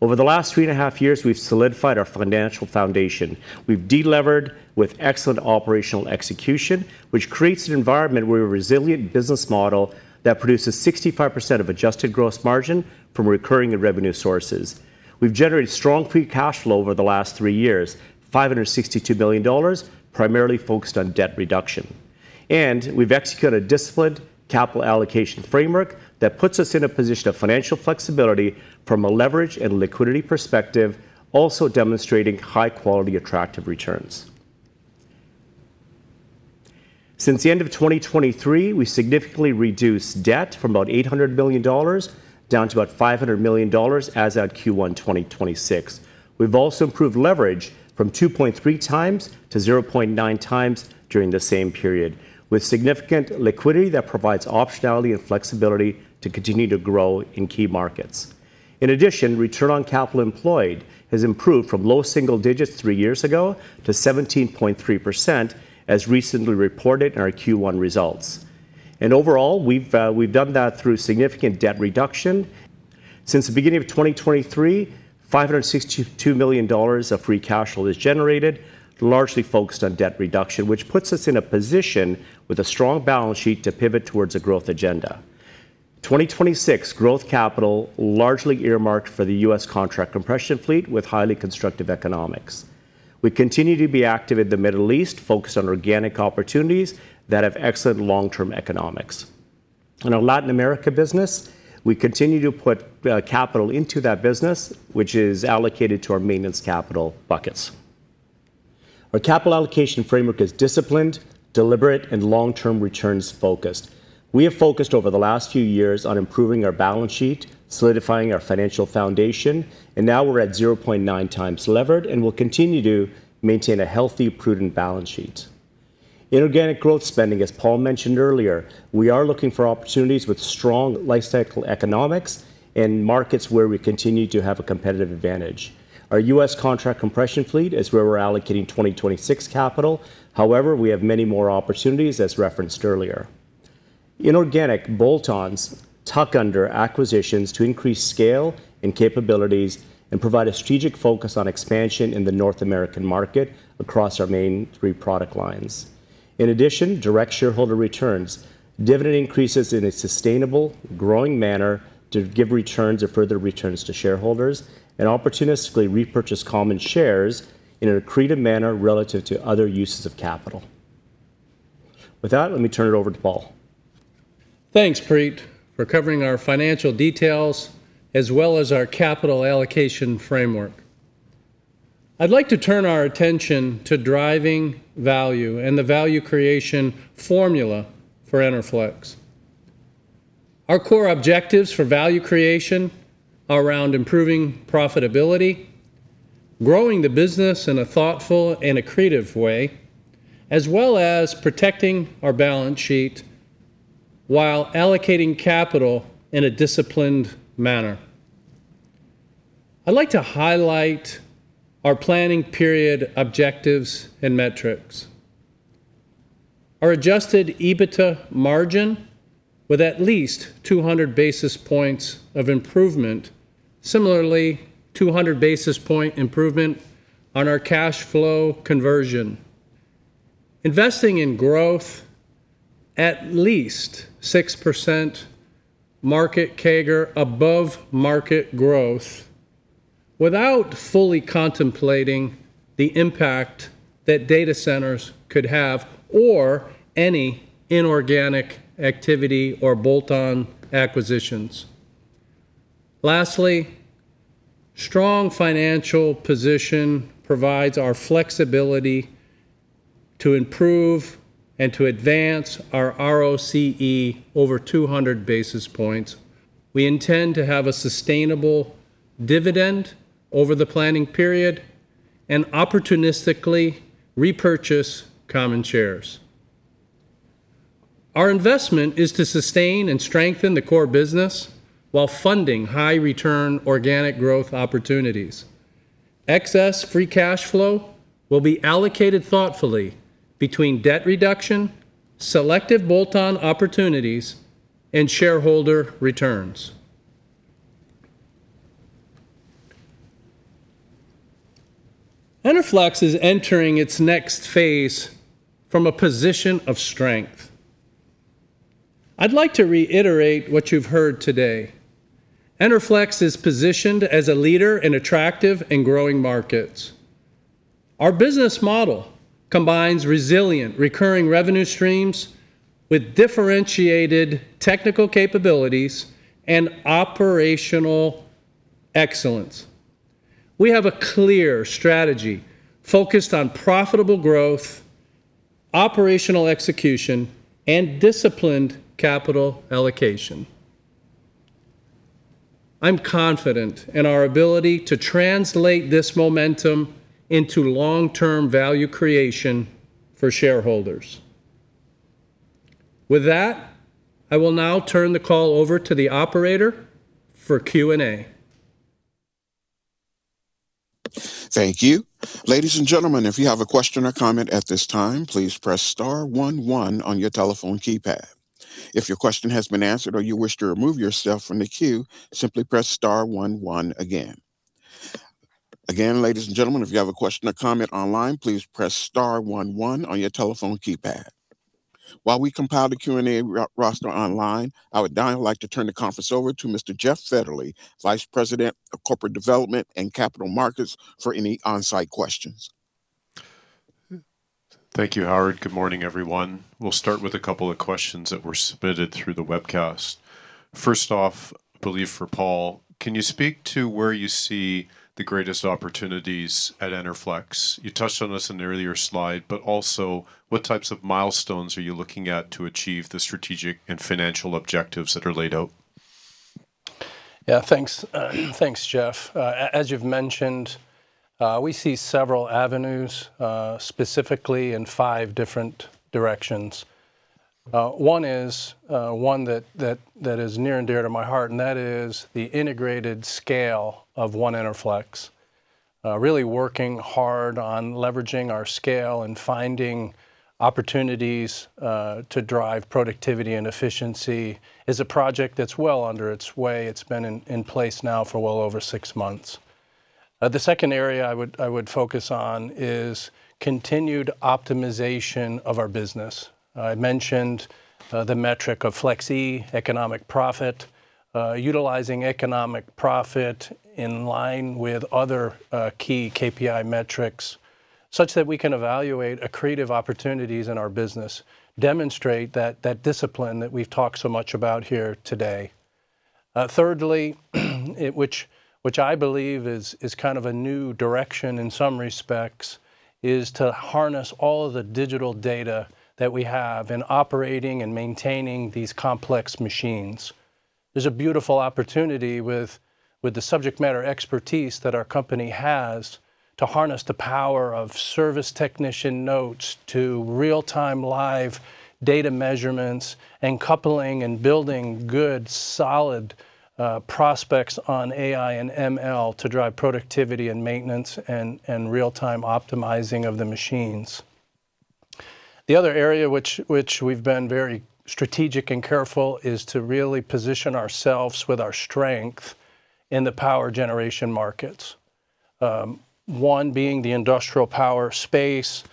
Speaker 3: Over the last three and a half years, we've solidified our financial foundation. We've de-levered with excellent operational execution, which creates an environment with a resilient business model that produces 65% of adjusted gross margin from recurring and revenue sources. We've generated strong free cash flow over the last three years, $562 million, primarily focused on debt reduction. We've executed a disciplined capital allocation framework that puts us in a position of financial flexibility from a leverage and liquidity perspective, also demonstrating high-quality, attractive returns. Since the end of 2023, we significantly reduced debt from about $800 million down to about $500 million as at Q1 2026. We've also improved leverage from 2.3x to 0.9x during the same period, with significant liquidity that provides optionality and flexibility to continue to grow in key markets. In addition, return on capital employed has improved from low single digits three years ago to 17.3% as recently reported in our Q1 results. Overall, we've done that through significant debt reduction. Since the beginning of 2023, $562 million of free cash flow was generated, largely focused on debt reduction, which puts us in a position with a strong balance sheet to pivot towards a growth agenda. 2026 growth capital largely earmarked for the U.S. contract compression fleet with highly constructive economics. We continue to be active in the Middle East, focused on organic opportunities that have excellent long-term economics. In our Latin America business, we continue to put capital into that business, which is allocated to our maintenance capital buckets. Our capital allocation framework is disciplined, deliberate, and long-term returns focused. We have focused over the last few years on improving our balance sheet, solidifying our financial foundation, and now we're at 0.9x levered, and we'll continue to maintain a healthy, prudent balance sheet. Inorganic growth spending, as Paul mentioned earlier, we are looking for opportunities with strong lifecycle economics and markets where we continue to have a competitive advantage. Our U.S. contract compression fleet is where we're allocating 2026 capital. We have many more opportunities as referenced earlier. Inorganic bolt-ons tuck under acquisitions to increase scale and capabilities and provide a strategic focus on expansion in the North American market across our main three product lines. In addition, direct shareholder returns, dividend increases in a sustainable, growing manner to give returns or further returns to shareholders, and opportunistically repurchase common shares in an accretive manner relative to other uses of capital. With that, let me turn it over to Paul.
Speaker 2: Thanks, Preet, for covering our financial details as well as our capital allocation framework. I'd like to turn our attention to driving value and the value creation formula for Enerflex. Our core objectives for value creation are around improving profitability, growing the business in a thoughtful and accretive way, as well as protecting our balance sheet while allocating capital in a disciplined manner. I'd like to highlight our planning period objectives and metrics. Our adjusted EBITDA margin with at least 200 basis points of improvement. Similarly, 200 basis point improvement on our cash flow conversion. Investing in growth at least 6% market CAGR above market growth without fully contemplating the impact that data centers could have or any inorganic activity or bolt-on acquisitions. Lastly, strong financial position provides our flexibility to improve and to advance our ROCE over 200 basis points. We intend to have a sustainable dividend over the planning period and opportunistically repurchase common shares. Our investment is to sustain and strengthen the core business while funding high return organic growth opportunities. Excess free cash flow will be allocated thoughtfully between debt reduction, selective bolt-on opportunities, and shareholder returns. Enerflex is entering its next phase from a position of strength. I'd like to reiterate what you've heard today. Enerflex is positioned as a leader in attractive and growing markets. Our business model combines resilient recurring revenue streams with differentiated technical capabilities and operational excellence. We have a clear strategy focused on profitable growth, operational execution, and disciplined capital allocation. I'm confident in our ability to translate this momentum into long-term value creation for shareholders. With that, I will now turn the call over to the operator for Q and A.
Speaker 1: Thank you. Ladies and gentlemen, if you have a question or comment at this time, please press star one one on your telephone keypad. If your question has been answered or you wish to remove yourself from the queue, simply press star one one again. Again, ladies and gentlemen, if you have a question or comment online, please press star one one on your telephone keypad. While we compile the Q and A roster online, I would now like to turn the conference over to Mr. Jeff Fetterly, Vice President of Corporate Development and Capital Markets, for any on-site questions.
Speaker 4: Thank you, Howard. Good morning, everyone. We'll start with a couple of questions that were submitted through the webcast. First off, I believe for Paul, can you speak to where you see the greatest opportunities at Enerflex? You touched on this in an earlier slide, also what types of milestones are you looking at to achieve the strategic and financial objectives that are laid out?
Speaker 2: Thanks, Jeff. As you've mentioned, we see several avenues, specifically in five different directions. One is one that is near and dear to my heart, and that is the integrated scale of One Enerflex. Really working hard on leveraging our scale and finding opportunities to drive productivity and efficiency is a project that's well under its way. It's been in place now for well over six months. The second area I would focus on is continued optimization of our business. I mentioned the metric of FLEXE, economic profit, utilizing economic profit in line with other key KPI metrics, such that we can evaluate accretive opportunities in our business, demonstrate that discipline that we've talked so much about here today. Thirdly, which I believe is kind of a new direction in some respects, is to harness all of the digital data that we have in operating and maintaining these complex machines. There's a beautiful opportunity with the subject matter expertise that our company has to harness the power of service technician notes to real-time live data measurements and coupling and building good, solid prospects on AI and ML to drive productivity and maintenance and real-time optimizing of the machines. The other area which we've been very strategic and careful is to really position ourselves with our strength in the power generation markets. One being the industrial power space,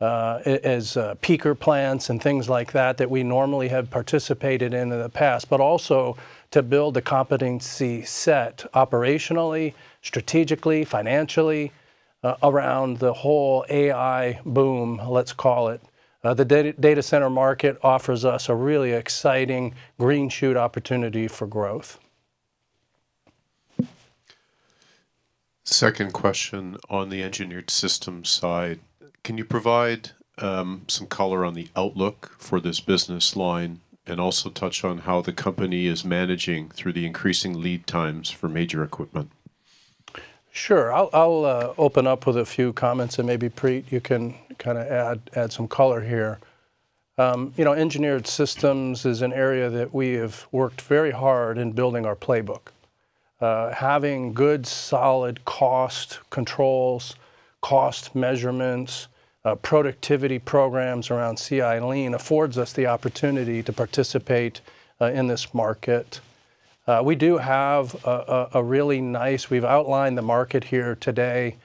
Speaker 2: as peaker plants and things like that we normally have participated in the past, but also to build the competency set operationally, strategically, financially around the whole AI boom, let's call it. The data center market offers us a really exciting green shoot opportunity for growth.
Speaker 4: Second question on the Engineered Systems side. Can you provide some color on the outlook for this business line, and also touch on how the company is managing through the increasing lead times for major equipment?
Speaker 2: Sure. I'll open up with a few comments, and maybe Preet, you can kind of add some color here. Engineered Systems is an area that we have worked very hard in building our playbook. Having good, solid cost controls, cost measurements, productivity programs around CI/Lean affords us the opportunity to participate in this market. We've outlined the market here today.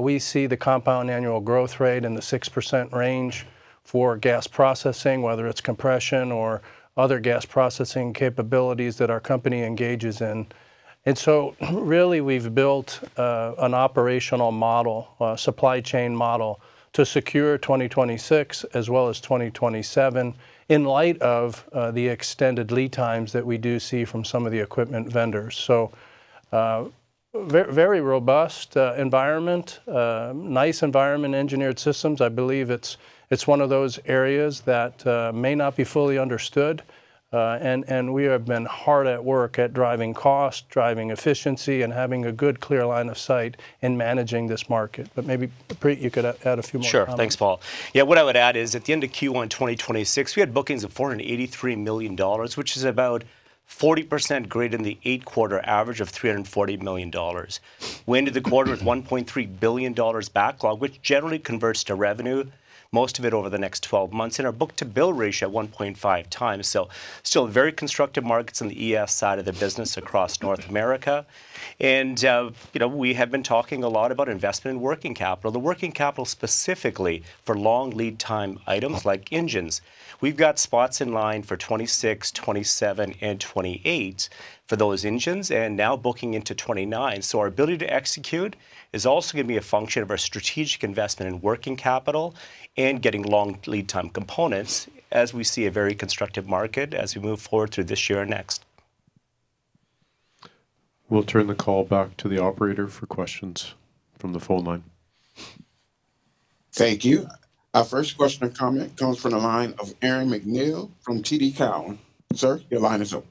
Speaker 2: We see the compound annual growth rate in the 6% range for gas processing, whether it's compression or other gas processing capabilities that our company engages in. Really, we've built an operational model, a supply chain model to secure 2026 as well as 2027 in light of the extended lead times that we do see from some of the equipment vendors. Very robust environment, nice environment, Engineered Systems. I believe it's one of those areas that may not be fully understood. We have been hard at work at driving cost, driving efficiency, and having a good, clear line of sight in managing this market. Maybe, Preet, you could add a few more comments.
Speaker 3: Sure. Thanks, Paul. Yeah, what I would add is, at the end of Q1 2026, we had bookings of $483 million, which is about 40% greater than the eight-quarter average of $340 million. We ended the quarter with $1.3 billion backlog, which generally converts to revenue, most of it over the next 12 months. Our book-to-bill ratio at 1.5x. Still very constructive markets on the ES side of the business across North America. We have been talking a lot about investment in working capital. The working capital specifically for long lead time items like engines. We've got spots in line for 2026-2027, and 2028 for those engines. Now booking into 2029. Our ability to execute is also going to be a function of our strategic investment in working capital and getting long lead time components as we see a very constructive market as we move forward through this year and next.
Speaker 4: We'll turn the call back to the operator for questions from the phone line.
Speaker 1: Thank you. Our first question or comment comes from the line of Aaron MacNeil from TD Cowen. Sir, your line is open.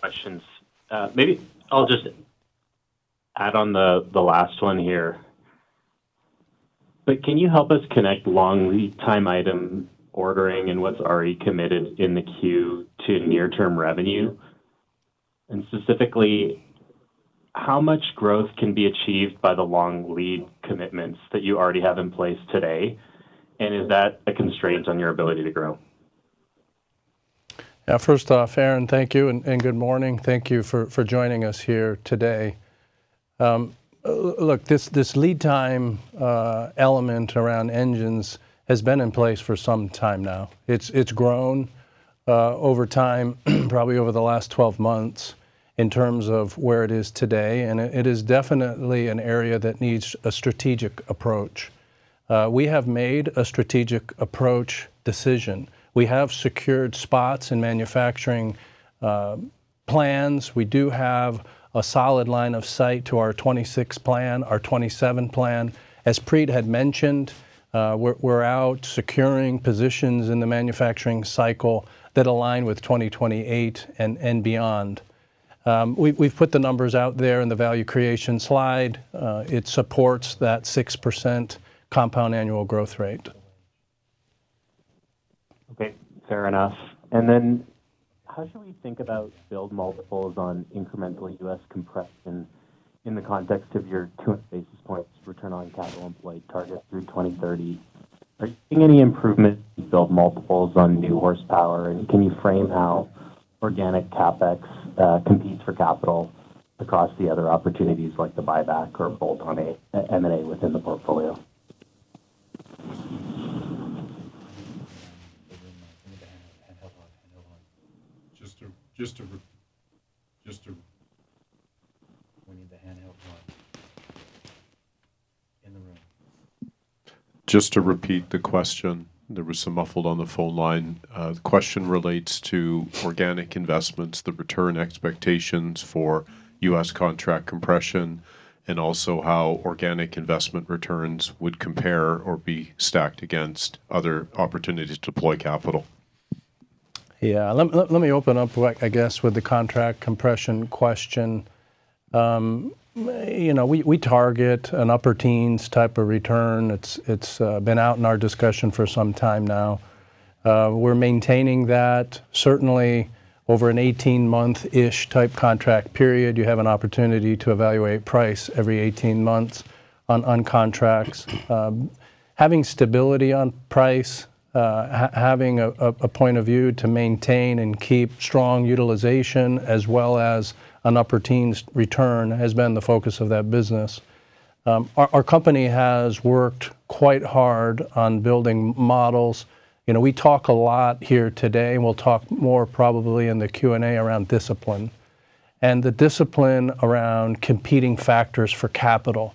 Speaker 5: Questions. Maybe I'll just add on the last one here. Can you help us connect long lead time item ordering and what's already committed in the queue to near-term revenue? Specifically, how much growth can be achieved by the long lead commitments that you already have in place today, and is that a constraint on your ability to grow?
Speaker 2: First off, Aaron, thank you, and good morning. Thank you for joining us here today. This lead time element around engines has been in place for some time now. It's grown over time, probably over the last 12 months in terms of where it is today, and it is definitely an area that needs a strategic approach. We have made a strategic approach decision. We have secured spots in manufacturing plants. We do have a solid line of sight to our 2026 plan, our 2027 plan. As Preet had mentioned, we're out securing positions in the manufacturing cycle that align with 2028 and beyond. We've put the numbers out there in the value creation slide. It supports that 6% compound annual growth rate.
Speaker 5: Okay, fair enough. How should we think about build multiples on incremental U.S. compression in the context of your 200 basis points return on capital employed target through 2030? Are you seeing any improvement in build multiples on new horsepower? Can you frame how organic CapEx competes for capital across the other opportunities like the buyback or bolt-on M&A within the portfolio?
Speaker 4: Just to repeat the question, there was some muffled on the phone line. The question relates to organic investments, the return expectations for U.S. contract compression, and also how organic investment returns would compare or be stacked against other opportunities to deploy capital.
Speaker 2: Let me open up, I guess, with the contract compression question. We target an upper teens type of return. It's been out in our discussion for some time now. We're maintaining that. Certainly, over an 18-month-ish type contract period, you have an opportunity to evaluate price every 18 months on contracts. Having stability on price, having a point of view to maintain and keep strong utilization as well as an upper teens return has been the focus of that business. Our company has worked quite hard on building models. We talk a lot here today, and we'll talk more probably in the Q and A around discipline and the discipline around competing factors for capital,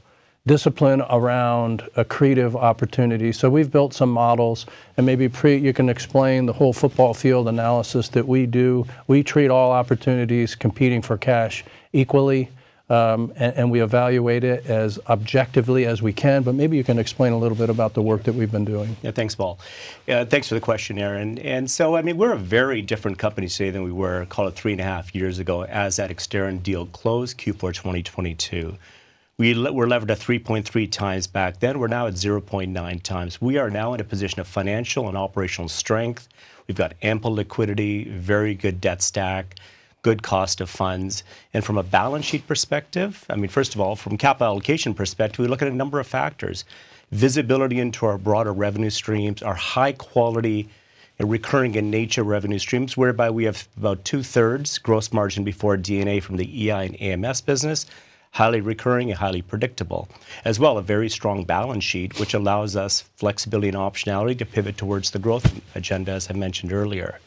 Speaker 2: discipline around accretive opportunities. We've built some models, and maybe Preet, you can explain the whole football field analysis that we do. We treat all opportunities competing for cash equally, and we evaluate it as objectively as we can. Maybe you can explain a little bit about the work that we've been doing.
Speaker 3: Thanks, Paul. Thanks for the question, Aaron. We're a very different company today than we were, call it three and a half years ago as that Exterran deal closed Q4 2022. We were levered at 3.3x back then. We're now at 0.9x. We are now in a position of financial and operational strength. We've got ample liquidity, very good debt stack, good cost of funds. From a balance sheet perspective, first of all, from a capital allocation perspective, we look at a number of factors. Visibility into our broader revenue streams, our high quality, recurring in nature revenue streams, whereby we have about 2/3 gross margin before D&A from the EI and AMS business, highly recurring and highly predictable. A very strong balance sheet, which allows us flexibility and optionality to pivot towards the growth agenda, as I mentioned earlier.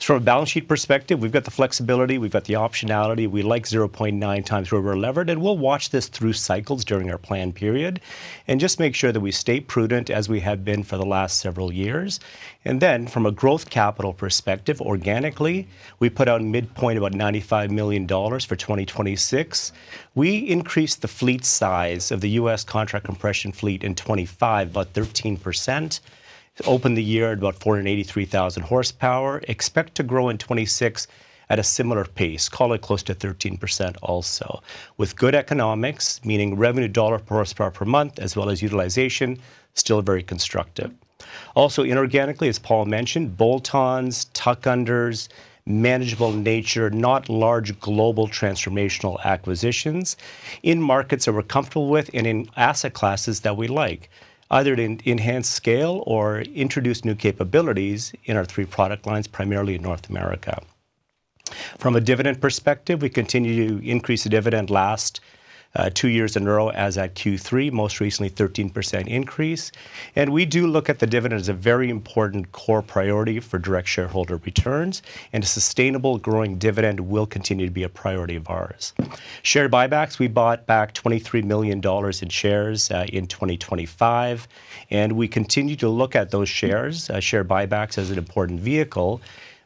Speaker 3: From a balance sheet perspective, we've got the flexibility, we've got the optionality. We like 0.9x where we're levered, we'll watch this through cycles during our plan period and just make sure that we stay prudent as we have been for the last several years. From a growth capital perspective, organically, we put out midpoint about 95 million dollars for 2026. We increased the fleet size of the U.S. contract compression fleet in 2025 by 13%, opened the year at about 483,000 horsepower. Expect to grow in 2026 at a similar pace, call it close to 13% also. With good economics, meaning revenue dollar per horsepower per month, as well as utilization, still very constructive. Also inorganically, as Paul mentioned, bolt-ons, tuck-unders, manageable in nature, not large global transformational acquisitions in markets that we're comfortable with and in asset classes that we like, either to enhance scale or introduce new capabilities in our three product lines, primarily in North America. From a dividend perspective, we continue to increase the dividend last two years in a row as at Q3, most recently 13% increase. We do look at the dividend as a very important core priority for direct shareholder returns, and a sustainable growing dividend will continue to be a priority of ours. Share buybacks, we bought back $23 million in shares in 2025, and we continue to look at those shares, share buybacks as an important vehicle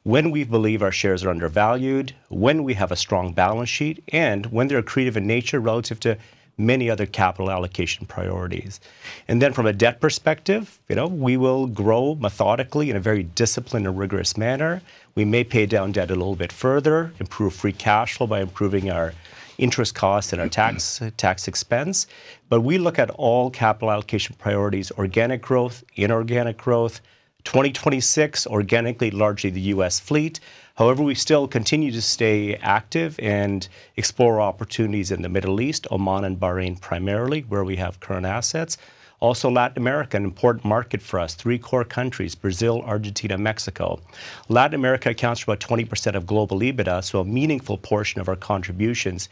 Speaker 3: when we believe our shares are undervalued, when we have a strong balance sheet, and when they're accretive in nature relative to many other capital allocation priorities. From a debt perspective, we will grow methodically in a very disciplined and rigorous manner. We may pay down debt a little bit further, improve free cash flow by improving our interest costs and our tax expense. We look at all capital allocation priorities, organic growth, inorganic growth. 2026, organically, largely the U.S. fleet. We still continue to stay active and explore opportunities in the Middle East, Oman and Bahrain primarily, where we have current assets. Latin America, an important market for us. Three core countries, Brazil, Argentina, Mexico. Latin America accounts for about 20% of global EBITDA, a meaningful portion of our contributions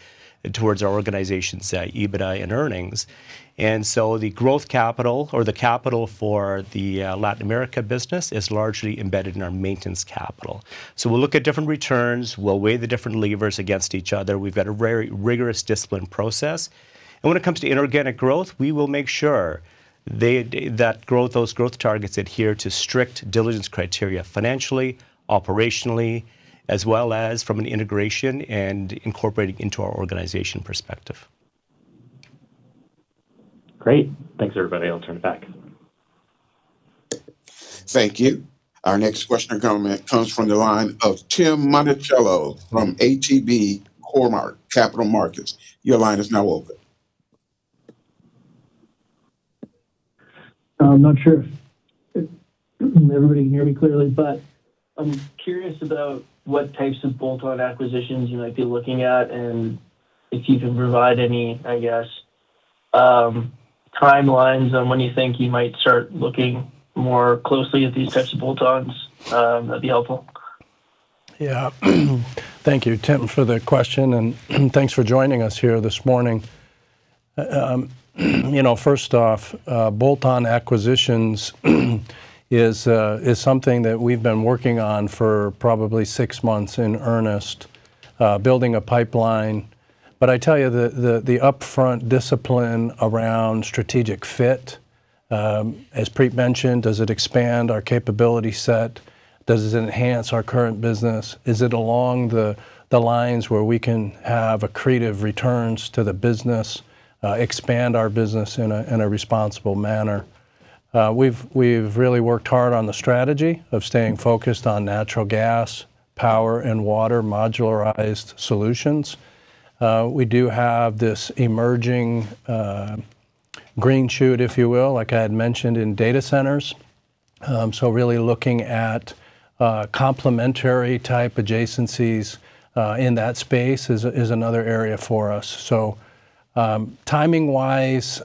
Speaker 3: towards our organization's EBITDA and earnings. The growth capital or the capital for the Latin America business is largely embedded in our maintenance capital. We'll look at different returns, we'll weigh the different levers against each other. We've got a very rigorous discipline process. When it comes to inorganic growth, we will make sure those growth targets adhere to strict diligence criteria, financially, operationally, as well as from an integration and incorporating into our organization perspective.
Speaker 5: Great. Thanks, everybody. I'll turn it back.
Speaker 1: Thank you. Our next question or comment comes from the line of Tim Monachello from ATB Capital Markets. Your line is now open.
Speaker 6: I'm not sure if everybody can hear me clearly, but I'm curious about what types of bolt-on acquisitions you might be looking at, and if you can provide any timelines on when you think you might start looking more closely at these types of bolt-ons. That would be helpful.
Speaker 2: Yeah. Thank you, Tim, for the question and thanks for joining us here this morning. First off, bolt-on acquisitions is something that we've been working on for probably six months in earnest, building a pipeline. I tell you, the upfront discipline around strategic fit, as Preet mentioned, does it expand our capability set? Does it enhance our current business? Is it along the lines where we can have accretive returns to the business, expand our business in a responsible manner? We've really worked hard on the strategy of staying focused on natural gas, power, and water modularized solutions. We do have this emerging green shoot, if you will, like I had mentioned in data centers. Really looking at complementary type adjacencies in that space is another area for us. Timing-wise,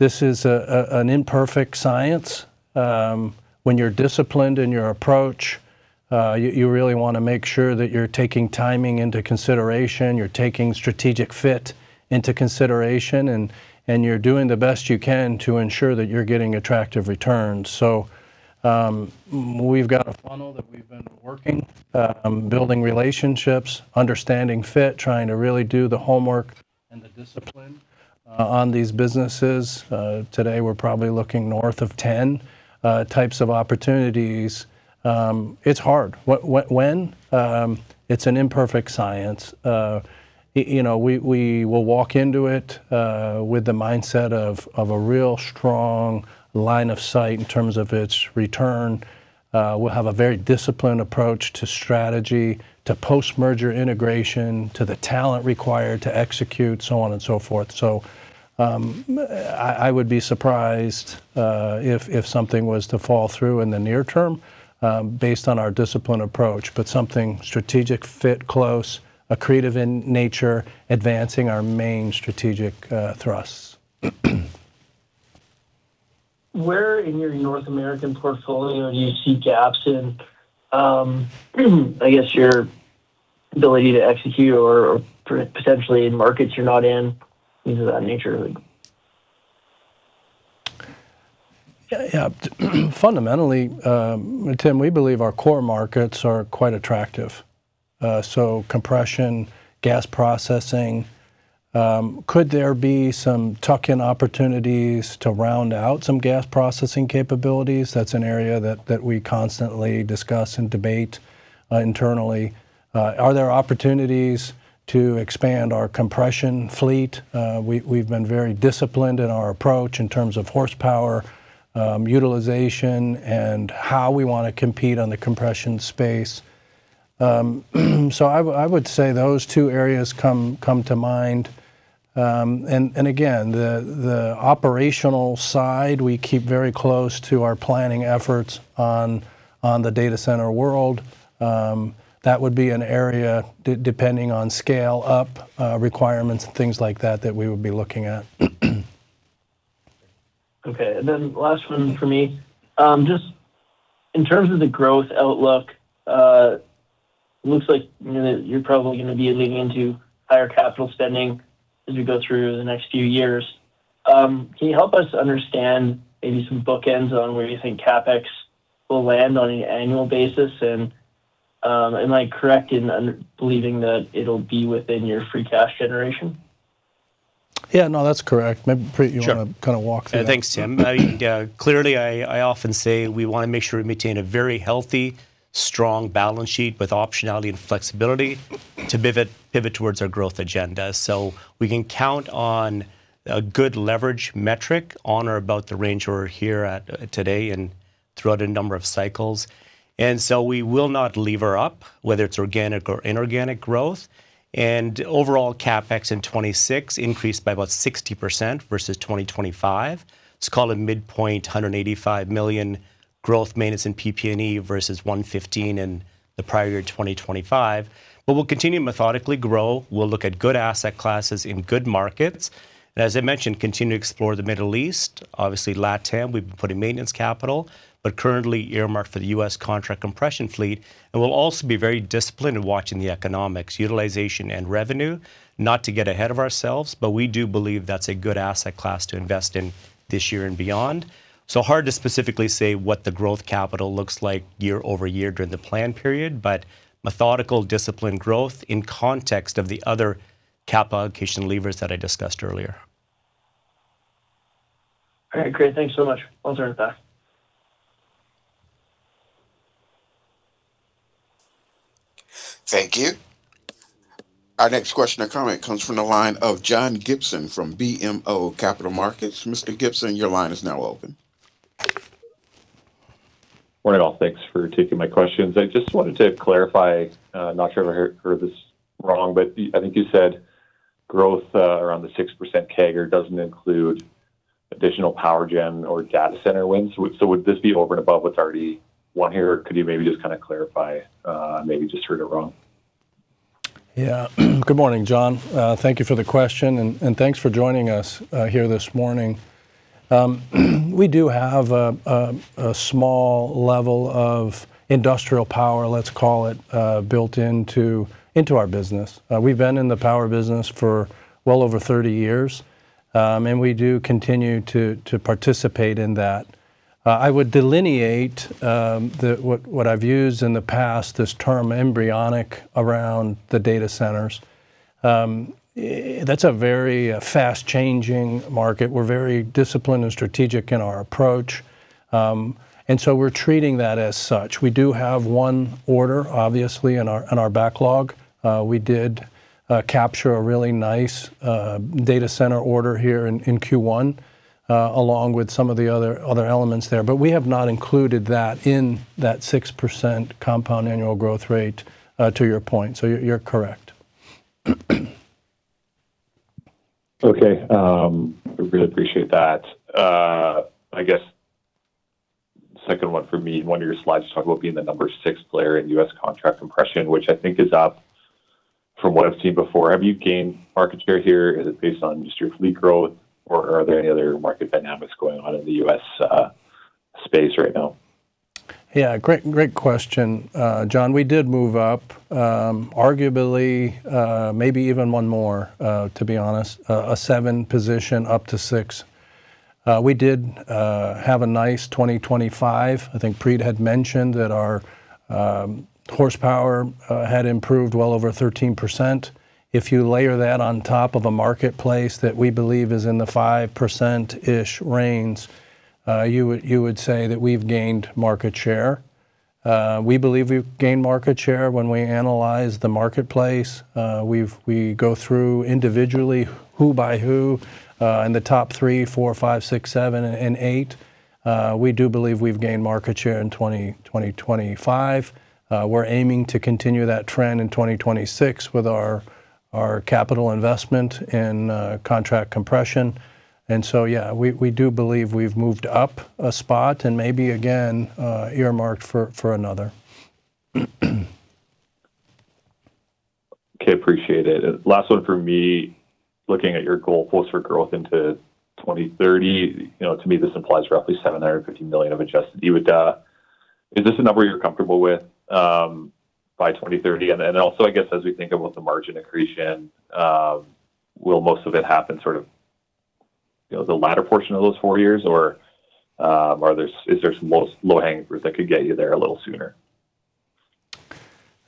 Speaker 2: this is an imperfect science. When you're disciplined in your approach, you really want to make sure that you're taking timing into consideration, you're taking strategic fit into consideration, and you're doing the best you can to ensure that you're getting attractive returns. We've got a funnel that we've been working, building relationships, understanding fit, trying to really do the homework and the discipline on these businesses. Today, we're probably looking north of 10 types of opportunities. It's hard. When? It's an imperfect science. We will walk into it with the mindset of a real strong line of sight in terms of its return. We'll have a very disciplined approach to strategy, to post-merger integration, to the talent required to execute, so on and so forth. I would be surprised if something was to fall through in the near term based on our disciplined approach, but something strategic fit, close, accretive in nature, advancing our main strategic thrusts.
Speaker 6: Where in your North American portfolio do you see gaps in your ability to execute or potentially in markets you're not in? Things of that nature.
Speaker 2: Yeah. Fundamentally, Tim, we believe our core markets are quite attractive. Compression, gas processing. Could there be some tuck-in opportunities to round out some gas processing capabilities? That's an area that we constantly discuss and debate internally. Are there opportunities to expand our compression fleet? We've been very disciplined in our approach in terms of horsepower utilization and how we want to compete on the compression space. I would say those two areas come to mind. Again, the operational side, we keep very close to our planning efforts on the data center world. That would be an area, depending on scale-up requirements and things like that we would be looking at.
Speaker 6: Okay, last one from me. Just in terms of the growth outlook, it looks like you're probably going to be leaning into higher capital spending as we go through the next few years. Can you help us understand maybe some bookends on where you think CapEx will land on an annual basis? Am I correct in believing that it'll be within your free cash generation?
Speaker 2: Yeah, no, that's correct.
Speaker 3: Sure
Speaker 2: you want to kind of walk through that.
Speaker 3: Thanks, Tim. Clearly, I often say we want to make sure we maintain a very healthy, strong balance sheet with optionality and flexibility to pivot towards our growth agenda, so we can count on a good leverage metric on or about the range we're here at today and throughout a number of cycles. We will not lever up, whether it's organic or inorganic growth. Overall CapEx in 2026 increased by about 60% versus 2025. Let's call it midpoint $185 million growth maintenance in PP&E versus $115 million in the prior year 2025. We'll continue to methodically grow. We'll look at good asset classes in good markets. As I mentioned, continue to explore the Middle East, obviously LATAM, we've been putting maintenance capital, but currently earmarked for the U.S. contract compression fleet. We'll also be very disciplined in watching the economics, utilization, and revenue. Not to get ahead of ourselves, but we do believe that's a good asset class to invest in this year and beyond. Hard to specifically say what the growth capital looks like year-over-year during the plan period, but methodical, disciplined growth in context of the other capital allocation levers that I discussed earlier.
Speaker 6: All right, great. Thanks so much. I'll turn it back.
Speaker 1: Thank you. Our next question or comment comes from the line of John Gibson from BMO Capital Markets. Mr. Gibson, your line is now open.
Speaker 7: Morning, all. Thanks for taking my questions. I just wanted to clarify, not sure if I heard this wrong, but I think you said growth around the 6% CAGR doesn't include additional power gen or data center wins. Would this be over and above what's already won here? Could you maybe just kind of clarify? Maybe just heard it wrong.
Speaker 2: Yeah. Good morning, John. Thank you for the question. Thanks for joining us here this morning. We do have a small level of industrial power, let's call it, built into our business. We've been in the power business for well over 30 years, and we do continue to participate in that. I would delineate what I've used in the past, this term embryonic around the data centers. That's a very fast-changing market. We're very disciplined and strategic in our approach. We're treating that as such. We do have one order, obviously, in our backlog. We did capture a really nice data center order here in Q1, along with some of the other elements there. We have not included that in that 6% compound annual growth rate, to your point. You're correct.
Speaker 7: Okay. I really appreciate that. I guess second one for me, one of your slides talked about being the number six player in U.S. contract compression, which I think is up from what I've seen before. Have you gained market share here? Is it based on just your fleet growth, or are there any other market dynamics going on in the U.S. space right now?
Speaker 2: Great question, John. We did move up, arguably, maybe even one more, to be honest, a seven position up to six. We did have a nice 2025. I think Preet had mentioned that our horsepower had improved well over 13%. If you layer that on top of a marketplace that we believe is in the 5%-ish range, you would say that we've gained market share. We believe we've gained market share when we analyze the marketplace. We go through individually who by who, in the top three, four, five, six, seven, and eight. We do believe we've gained market share in 2025. We're aiming to continue that trend in 2026 with our capital investment in contract compression. We do believe we've moved up a spot and maybe again, earmarked for another.
Speaker 7: Okay, appreciate it. Last one from me, looking at your goalposts for growth into 2030. To me, this implies roughly $750 million of adjusted EBITDA. Is this a number you're comfortable with by 2030? Then also, I guess, as we think about the margin accretion, will most of it happen sort of the latter portion of those four years? Or is there some low-hanging fruit that could get you there a little sooner?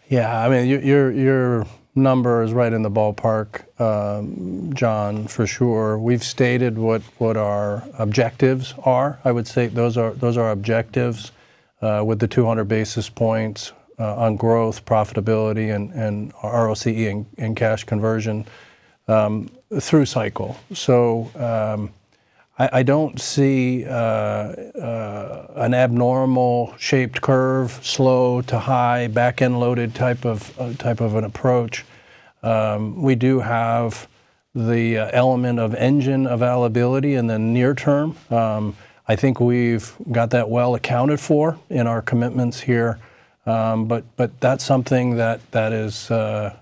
Speaker 2: Yeah, your number is right in the ballpark, John, for sure. We've stated what our objectives are. I would say those are objectives with the 200 basis points on growth, profitability, and ROCE in cash conversion through cycle. I don't see an abnormal shaped curve, slow to high, backend loaded type of an approach. We do have the element of engine availability in the near term. I think we've got that well accounted for in our commitments here. That's something that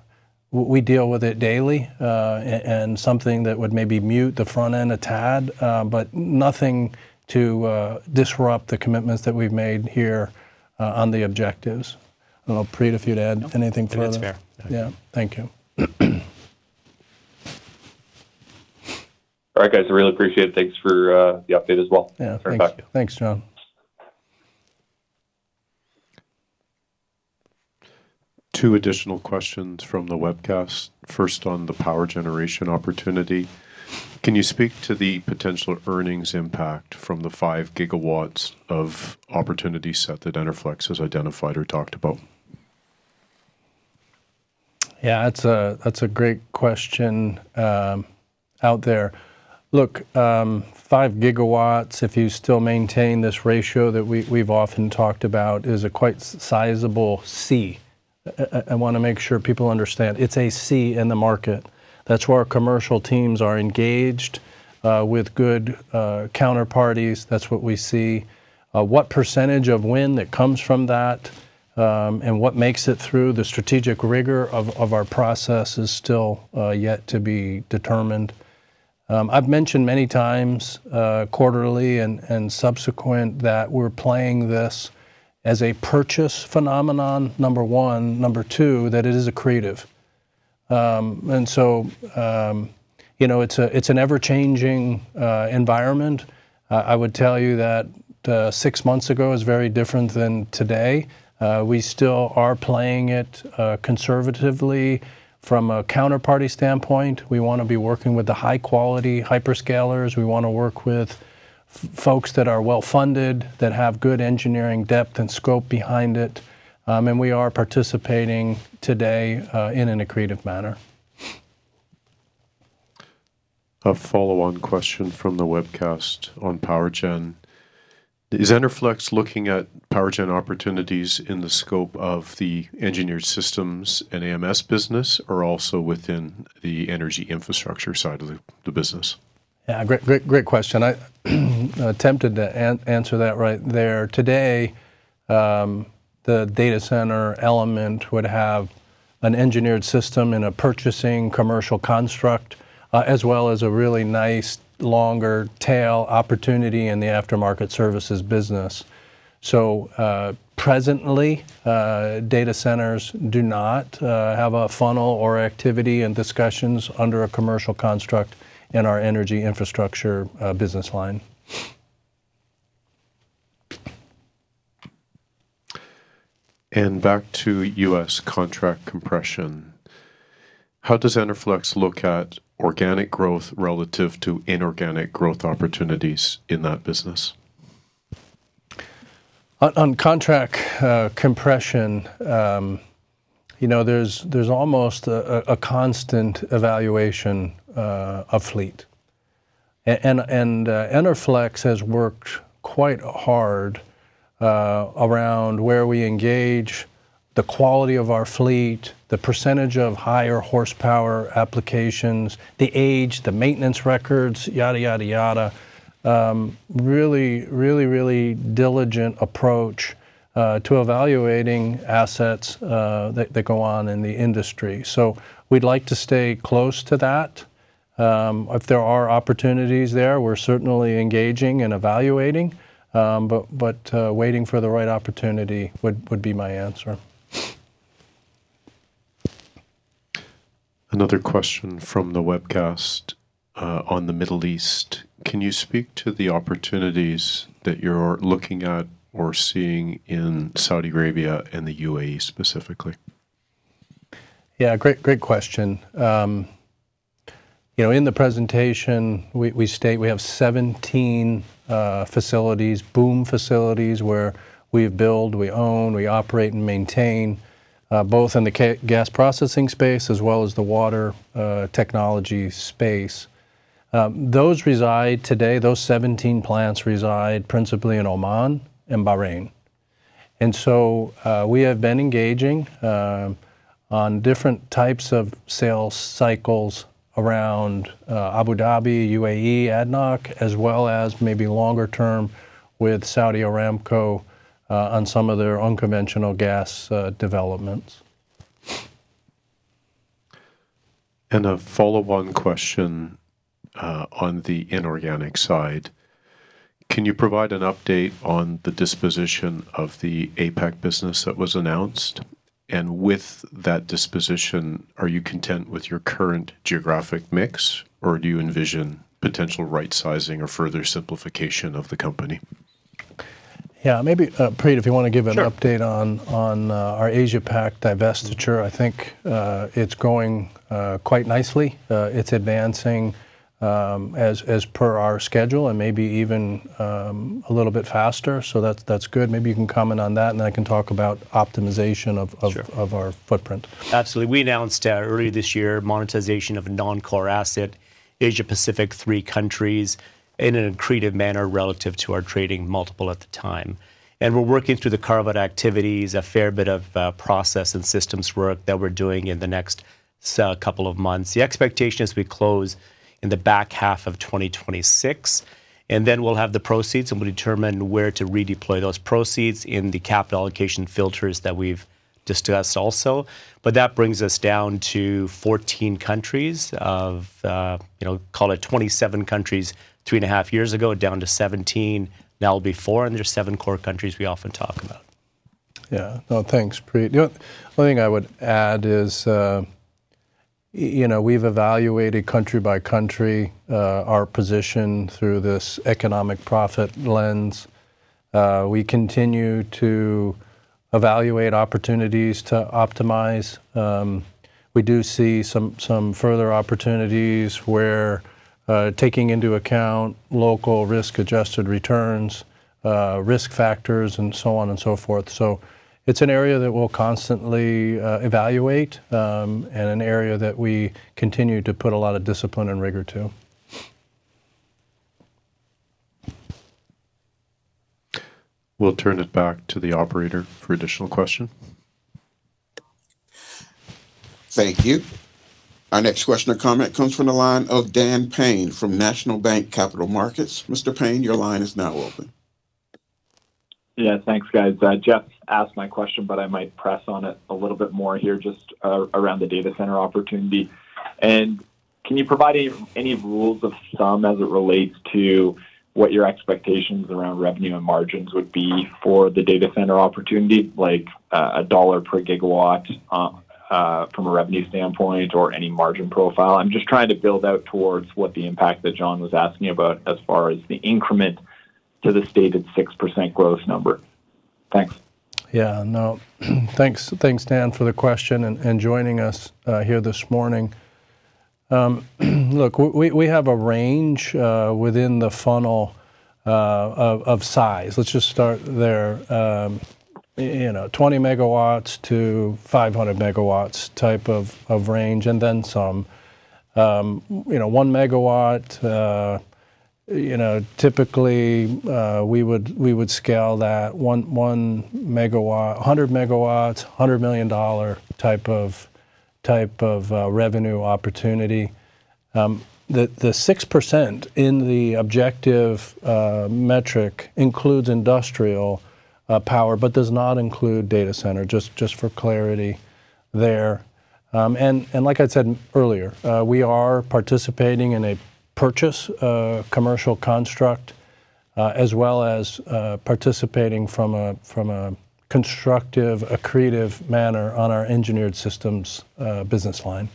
Speaker 2: we deal with it daily, and something that would maybe mute the front end a tad, but nothing to disrupt the commitments that we've made here on the objectives. Preet, if you'd add anything to that.
Speaker 3: No, that's fair.
Speaker 2: Yeah. Thank you.
Speaker 7: All right, guys. I really appreciate it. Thanks for the update as well.
Speaker 2: Yeah.
Speaker 7: Turn it back to you.
Speaker 2: Thanks, John.
Speaker 4: Two additional questions from the webcast. First, on the power generation opportunity. Can you speak to the potential earnings impact from the 5 GW of opportunities set that Enerflex has identified or talked about?
Speaker 2: That's a great question out there. 5 GW, if you still maintain this ratio that we've often talked about, is a quite sizable C. I want to make sure people understand. It's a C in the market. That's where our commercial teams are engaged with good counterparties. That's what we see. What percentage of win that comes from that, and what makes it through the strategic rigor of our process is still yet to be determined. I've mentioned many times, quarterly and subsequent, that we're playing this as a purchase phenomenon, number one. Number two, that it is accretive. It's an ever-changing environment. I would tell you that six months ago is very different than today. We still are playing it conservatively from a counterparty standpoint. We want to be working with the high-quality hyperscalers. We want to work with folks that are well-funded, that have good engineering depth and scope behind it. We are participating today in an accretive manner.
Speaker 4: A follow-on question from the webcast on power gen. Is Enerflex looking at power gen opportunities in the scope of the Engineered Systems and AMS business, or also within the Energy Infrastructure side of the business?
Speaker 2: Yeah. Great question. I attempted to answer that right there. Today, the data center element would have an Engineered System and a purchasing commercial construct, as well as a really nice longer tail opportunity in the Aftermarket Services business. Presently, data centers do not have a funnel or activity and discussions under a commercial construct in our Energy Infrastructure business line.
Speaker 4: Back to U.S. contract compression. How does Enerflex look at organic growth relative to inorganic growth opportunities in that business?
Speaker 2: On contract compression, there's almost a constant evaluation of fleet. Enerflex has worked quite hard around where we engage the quality of our fleet, the percentage of higher horsepower applications, the age, the maintenance records, yada, yada. Really, really, really diligent approach to evaluating assets that go on in the industry. We'd like to stay close to that. If there are opportunities there, we're certainly engaging and evaluating. Waiting for the right opportunity would be my answer.
Speaker 4: Another question from the webcast on the Middle East. Can you speak to the opportunities that you're looking at or seeing in Saudi Arabia and the UAE specifically?
Speaker 2: Yeah. Great question. In the presentation, we state we have 17 facilities, BOOM facilities, where we build, we own, we operate and maintain, both in the gas processing space as well as the water technology space. Those reside today, those 17 plants reside principally in Oman and Bahrain. So we have been engaging on different types of sales cycles around Abu Dhabi, UAE, ADNOC, as well as maybe longer term with Saudi Aramco on some of their unconventional gas developments.
Speaker 4: A follow-on question on the inorganic side. Can you provide an update on the disposition of the APAC business that was announced? With that disposition, are you content with your current geographic mix, or do you envision potential right-sizing or further simplification of the company?
Speaker 2: Yeah. Maybe, Preet, if you want to give-
Speaker 3: Sure
Speaker 2: an update on our Asia-Pac divestiture. I think it's going quite nicely. It's advancing, as per our schedule and maybe even a little bit faster. That's good. Maybe you can comment on that. I can talk about optimization of our footprint.
Speaker 3: Absolutely. We announced earlier this year monetization of a non-core asset, Asia Pacific, three countries, in an accretive manner relative to our trading multiple at the time. We're working through the carve-out activities, a fair bit of process and systems work that we're doing in the next couple of months. The expectation is we close in the back half of 2026, and then we'll have the proceeds and we'll determine where to redeploy those proceeds in the capital allocation filters that we've discussed also. That brings us down to 14 countries of, call it 27 countries three and a half years ago, down to 17. That'll be four, and there's seven core countries we often talk about.
Speaker 2: Yeah. No, thanks, Preet. The only thing I would add is we've evaluated country by country, our position through this economic profit lens. We continue to evaluate opportunities to optimize. We do see some further opportunities where taking into account local risk-adjusted returns, risk factors, and so on and so forth. It's an area that we'll constantly evaluate, and an area that we continue to put a lot of discipline and rigor to.
Speaker 4: We'll turn it back to the operator for additional question.
Speaker 1: Thank you. Our next question or comment comes from the line of Dan Payne from National Bank Capital Markets. Mr. Payne, your line is now open.
Speaker 8: Yeah. Thanks, guys. Jeff asked my question, but I might press on it a little bit more here, just around the data center opportunity. Can you provide any rules of thumb as it relates to what your expectations around revenue and margins would be for the data center opportunity, like a dollar per gigawatt, from a revenue standpoint or any margin profile? I'm just trying to build out towards what the impact that John was asking about as far as the increment to the stated 6% growth number. Thanks.
Speaker 2: Yeah. No. Thanks, Dan, for the question and joining us here this morning. Look, we have a range within the funnel of size. Let's just start there. 20 MW-500 MW type of range and then some. 1 MW, typically, we would scale that 1 MW, 100 MW, $100 million type of revenue opportunity. The 6% in the objective metric includes industrial power but does not include data center, just for clarity there. Like I'd said earlier, we are participating in a purchase, a commercial construct, as well as participating from a constructive, a creative manner on our Engineered Systems business line.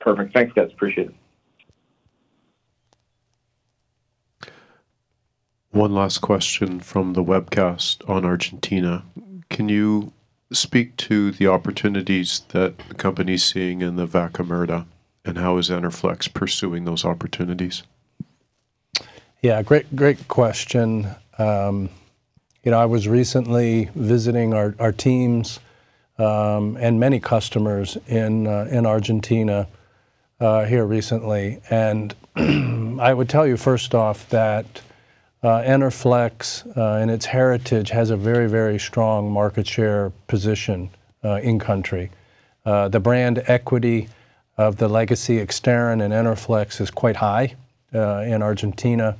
Speaker 8: Perfect. Thanks, guys. Appreciate it.
Speaker 4: One last question from the webcast on Argentina. Can you speak to the opportunities that the company's seeing in the Vaca Muerta, and how is Enerflex pursuing those opportunities?
Speaker 2: Yeah, great question. I was recently visiting our teams, and many customers in Argentina here recently, and I would tell you first off that Enerflex, and its heritage has a very strong market share position in country. The brand equity of the legacy Exterran and Enerflex is quite high in Argentina.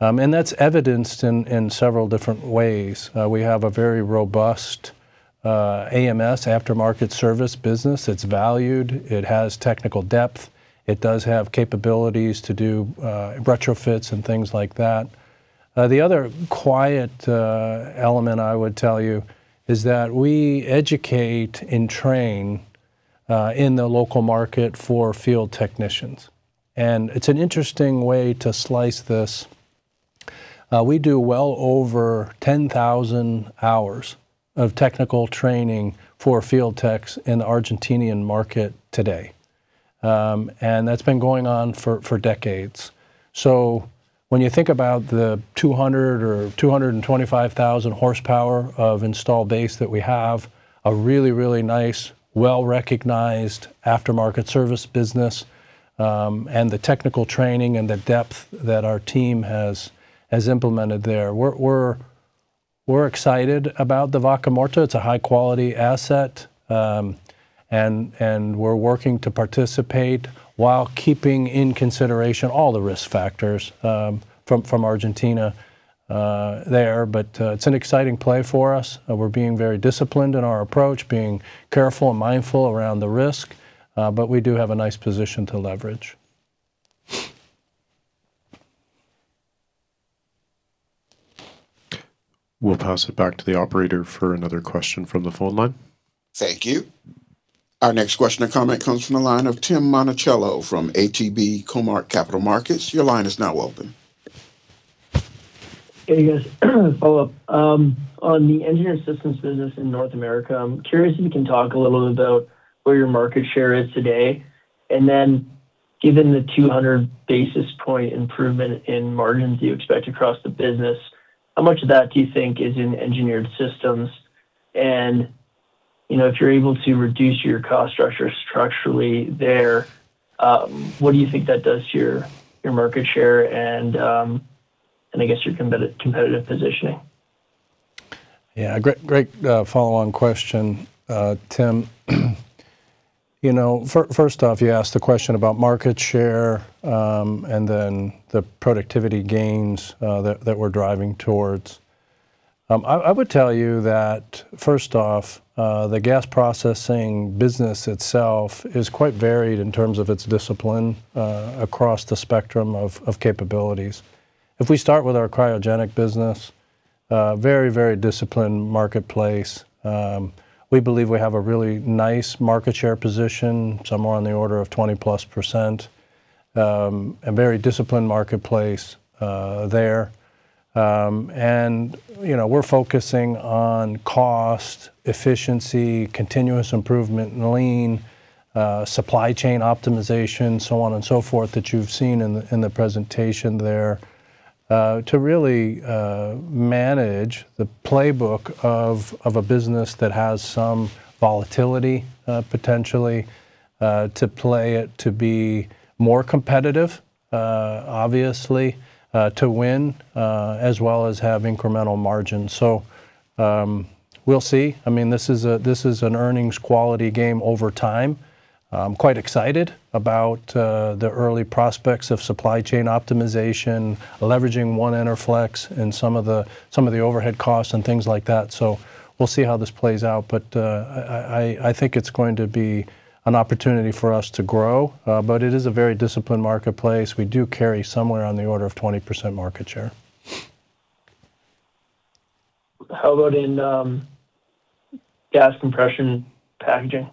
Speaker 2: That's evidenced in several different ways. We have a very robust AMS, Aftermarket Service business. It's valued, it has technical depth, it does have capabilities to do retrofits and things like that. The other quiet element I would tell you is that we educate and train, in the local market for field technicians. It's an interesting way to slice this. We do well over 10,000 hours of technical training for field techs in the Argentinian market today. That's been going on for decades. When you think about the 200,000 or 225,000 horsepower of installed base, that we have a really nice, well-recognized Aftermarket Service business, and the technical training and the depth that our team has implemented there. We're excited about the Vaca Muerta. It's a high-quality asset. We're working to participate while keeping in consideration all the risk factors from Argentina there. It's an exciting play for us. We're being very disciplined in our approach, being careful and mindful around the risk, but we do have a nice position to leverage.
Speaker 4: We'll pass it back to the operator for another question from the phone line.
Speaker 1: Thank you. Our next question or comment comes from the line of Tim Monachello from ATB Capital Markets. Your line is now open.
Speaker 6: Hey, guys. Follow-up. On the Engineered Systems business in North America, I'm curious if you can talk a little about where your market share is today, and then given the 200 basis point improvement in margins you expect across the business, how much of that do you think is in Engineered Systems? If you're able to reduce your cost structure structurally there, what do you think that does to your market share and, I guess your competitive positioning?
Speaker 2: Yeah. Great follow-on question, Tim. First off, you asked a question about market share, and then the productivity gains that we're driving towards. I would tell you that, first off, the gas processing business itself is quite varied in terms of its discipline across the spectrum of capabilities. If we start with our cryogenic business, very disciplined marketplace. We believe we have a really nice market share position, somewhere on the order of 20+%. A very disciplined marketplace there. We're focusing on cost, efficiency, continuous improvement, lean supply chain optimization, so on and so forth, that you've seen in the presentation there, to really manage the playbook of a business that has some volatility, potentially, to play it to be more competitive, obviously to win, as well as have incremental margins. We'll see. This is an earnings quality game over time. I'm quite excited about the early prospects of supply chain optimization, leveraging one Enerflex, and some of the overhead costs and things like that. We'll see how this plays out, but I think it's going to be an opportunity for us to grow. It is a very disciplined marketplace. We do carry somewhere on the order of 20% market share.
Speaker 6: How about in gas compression packaging?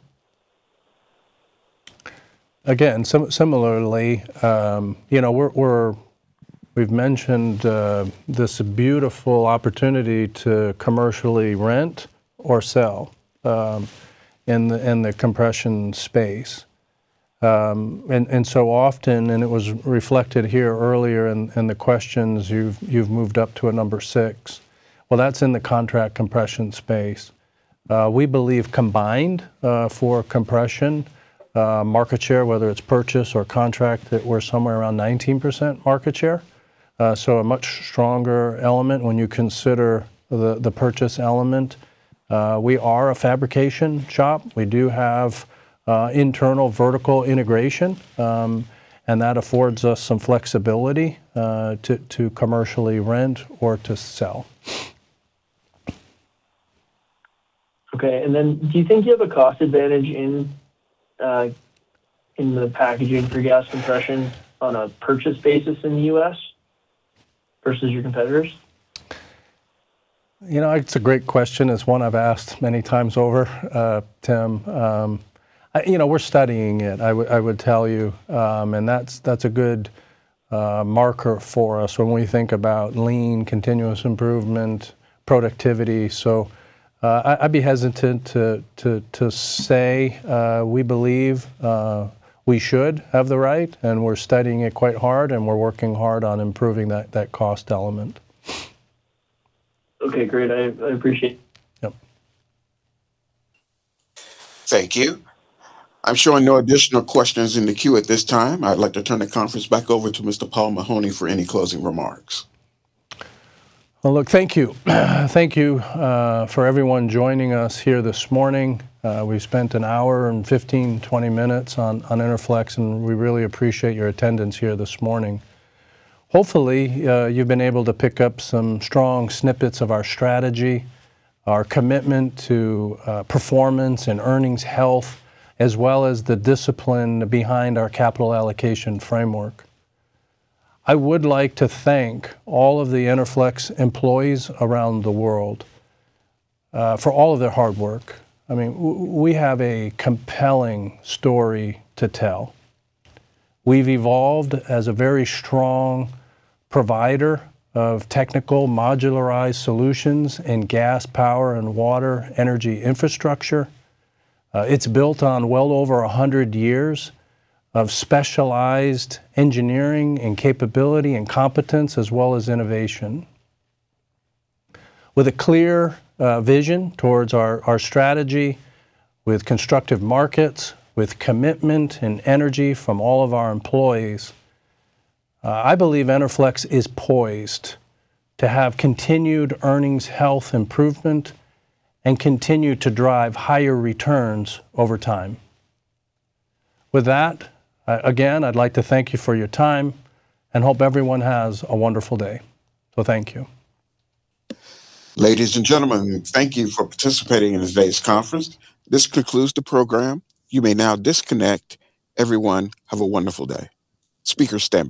Speaker 2: Again, similarly, we've mentioned this beautiful opportunity to commercially rent or sell in the compression space. Often, and it was reflected here earlier in the questions, you've moved up to a number six. Well, that's in the contract compression space. We believe combined for compression, market share, whether it's purchase or contract, that we're somewhere around 19% market share. A much stronger element when you consider the purchase element. We are a fabrication shop. We do have internal vertical integration, and that affords us some flexibility to commercially rent or to sell.
Speaker 6: Okay, do you think you have a cost advantage in the packaging for gas compression on a purchase basis in the U.S., versus your competitors?
Speaker 2: It's a great question. It's one I've asked many times over, Tim. We're studying it, I would tell you. That's a good marker for us when we think about lean, continuous improvement, productivity. I'd be hesitant to say we believe we should have the right, and we're studying it quite hard, and we're working hard on improving that cost element.
Speaker 6: Okay, great. I appreciate it.
Speaker 2: Yep.
Speaker 1: Thank you. I am showing no additional questions in the queue at this time. I would like to turn the conference back over to Mr. Paul Mahoney for any closing remarks.
Speaker 2: Well, look, thank you. Thank you for everyone joining us here this morning. We've spent an hour and 15, 20 minutes on Enerflex, and we really appreciate your attendance here this morning. Hopefully, you've been able to pick up some strong snippets of our strategy, our commitment to performance and earnings health, as well as the discipline behind our capital allocation framework. I would like to thank all of the Enerflex employees around the world for all of their hard work. We have a compelling story to tell. We've evolved as a very strong provider of technical modularized solutions in gas, power, and water energy infrastructure. It's built on well over 100 years of specialized engineering and capability and competence, as well as innovation. With a clear vision towards our strategy, with constructive markets, with commitment and energy from all of our employees, I believe Enerflex is poised to have continued earnings health improvement, and continue to drive higher returns over time. With that, again, I'd like to thank you for your time, and hope everyone has a wonderful day. Thank you.
Speaker 1: Ladies and gentlemen, thank you for participating in today's conference. This concludes the program. You may now disconnect. Everyone, have a wonderful day. Speakers stand by.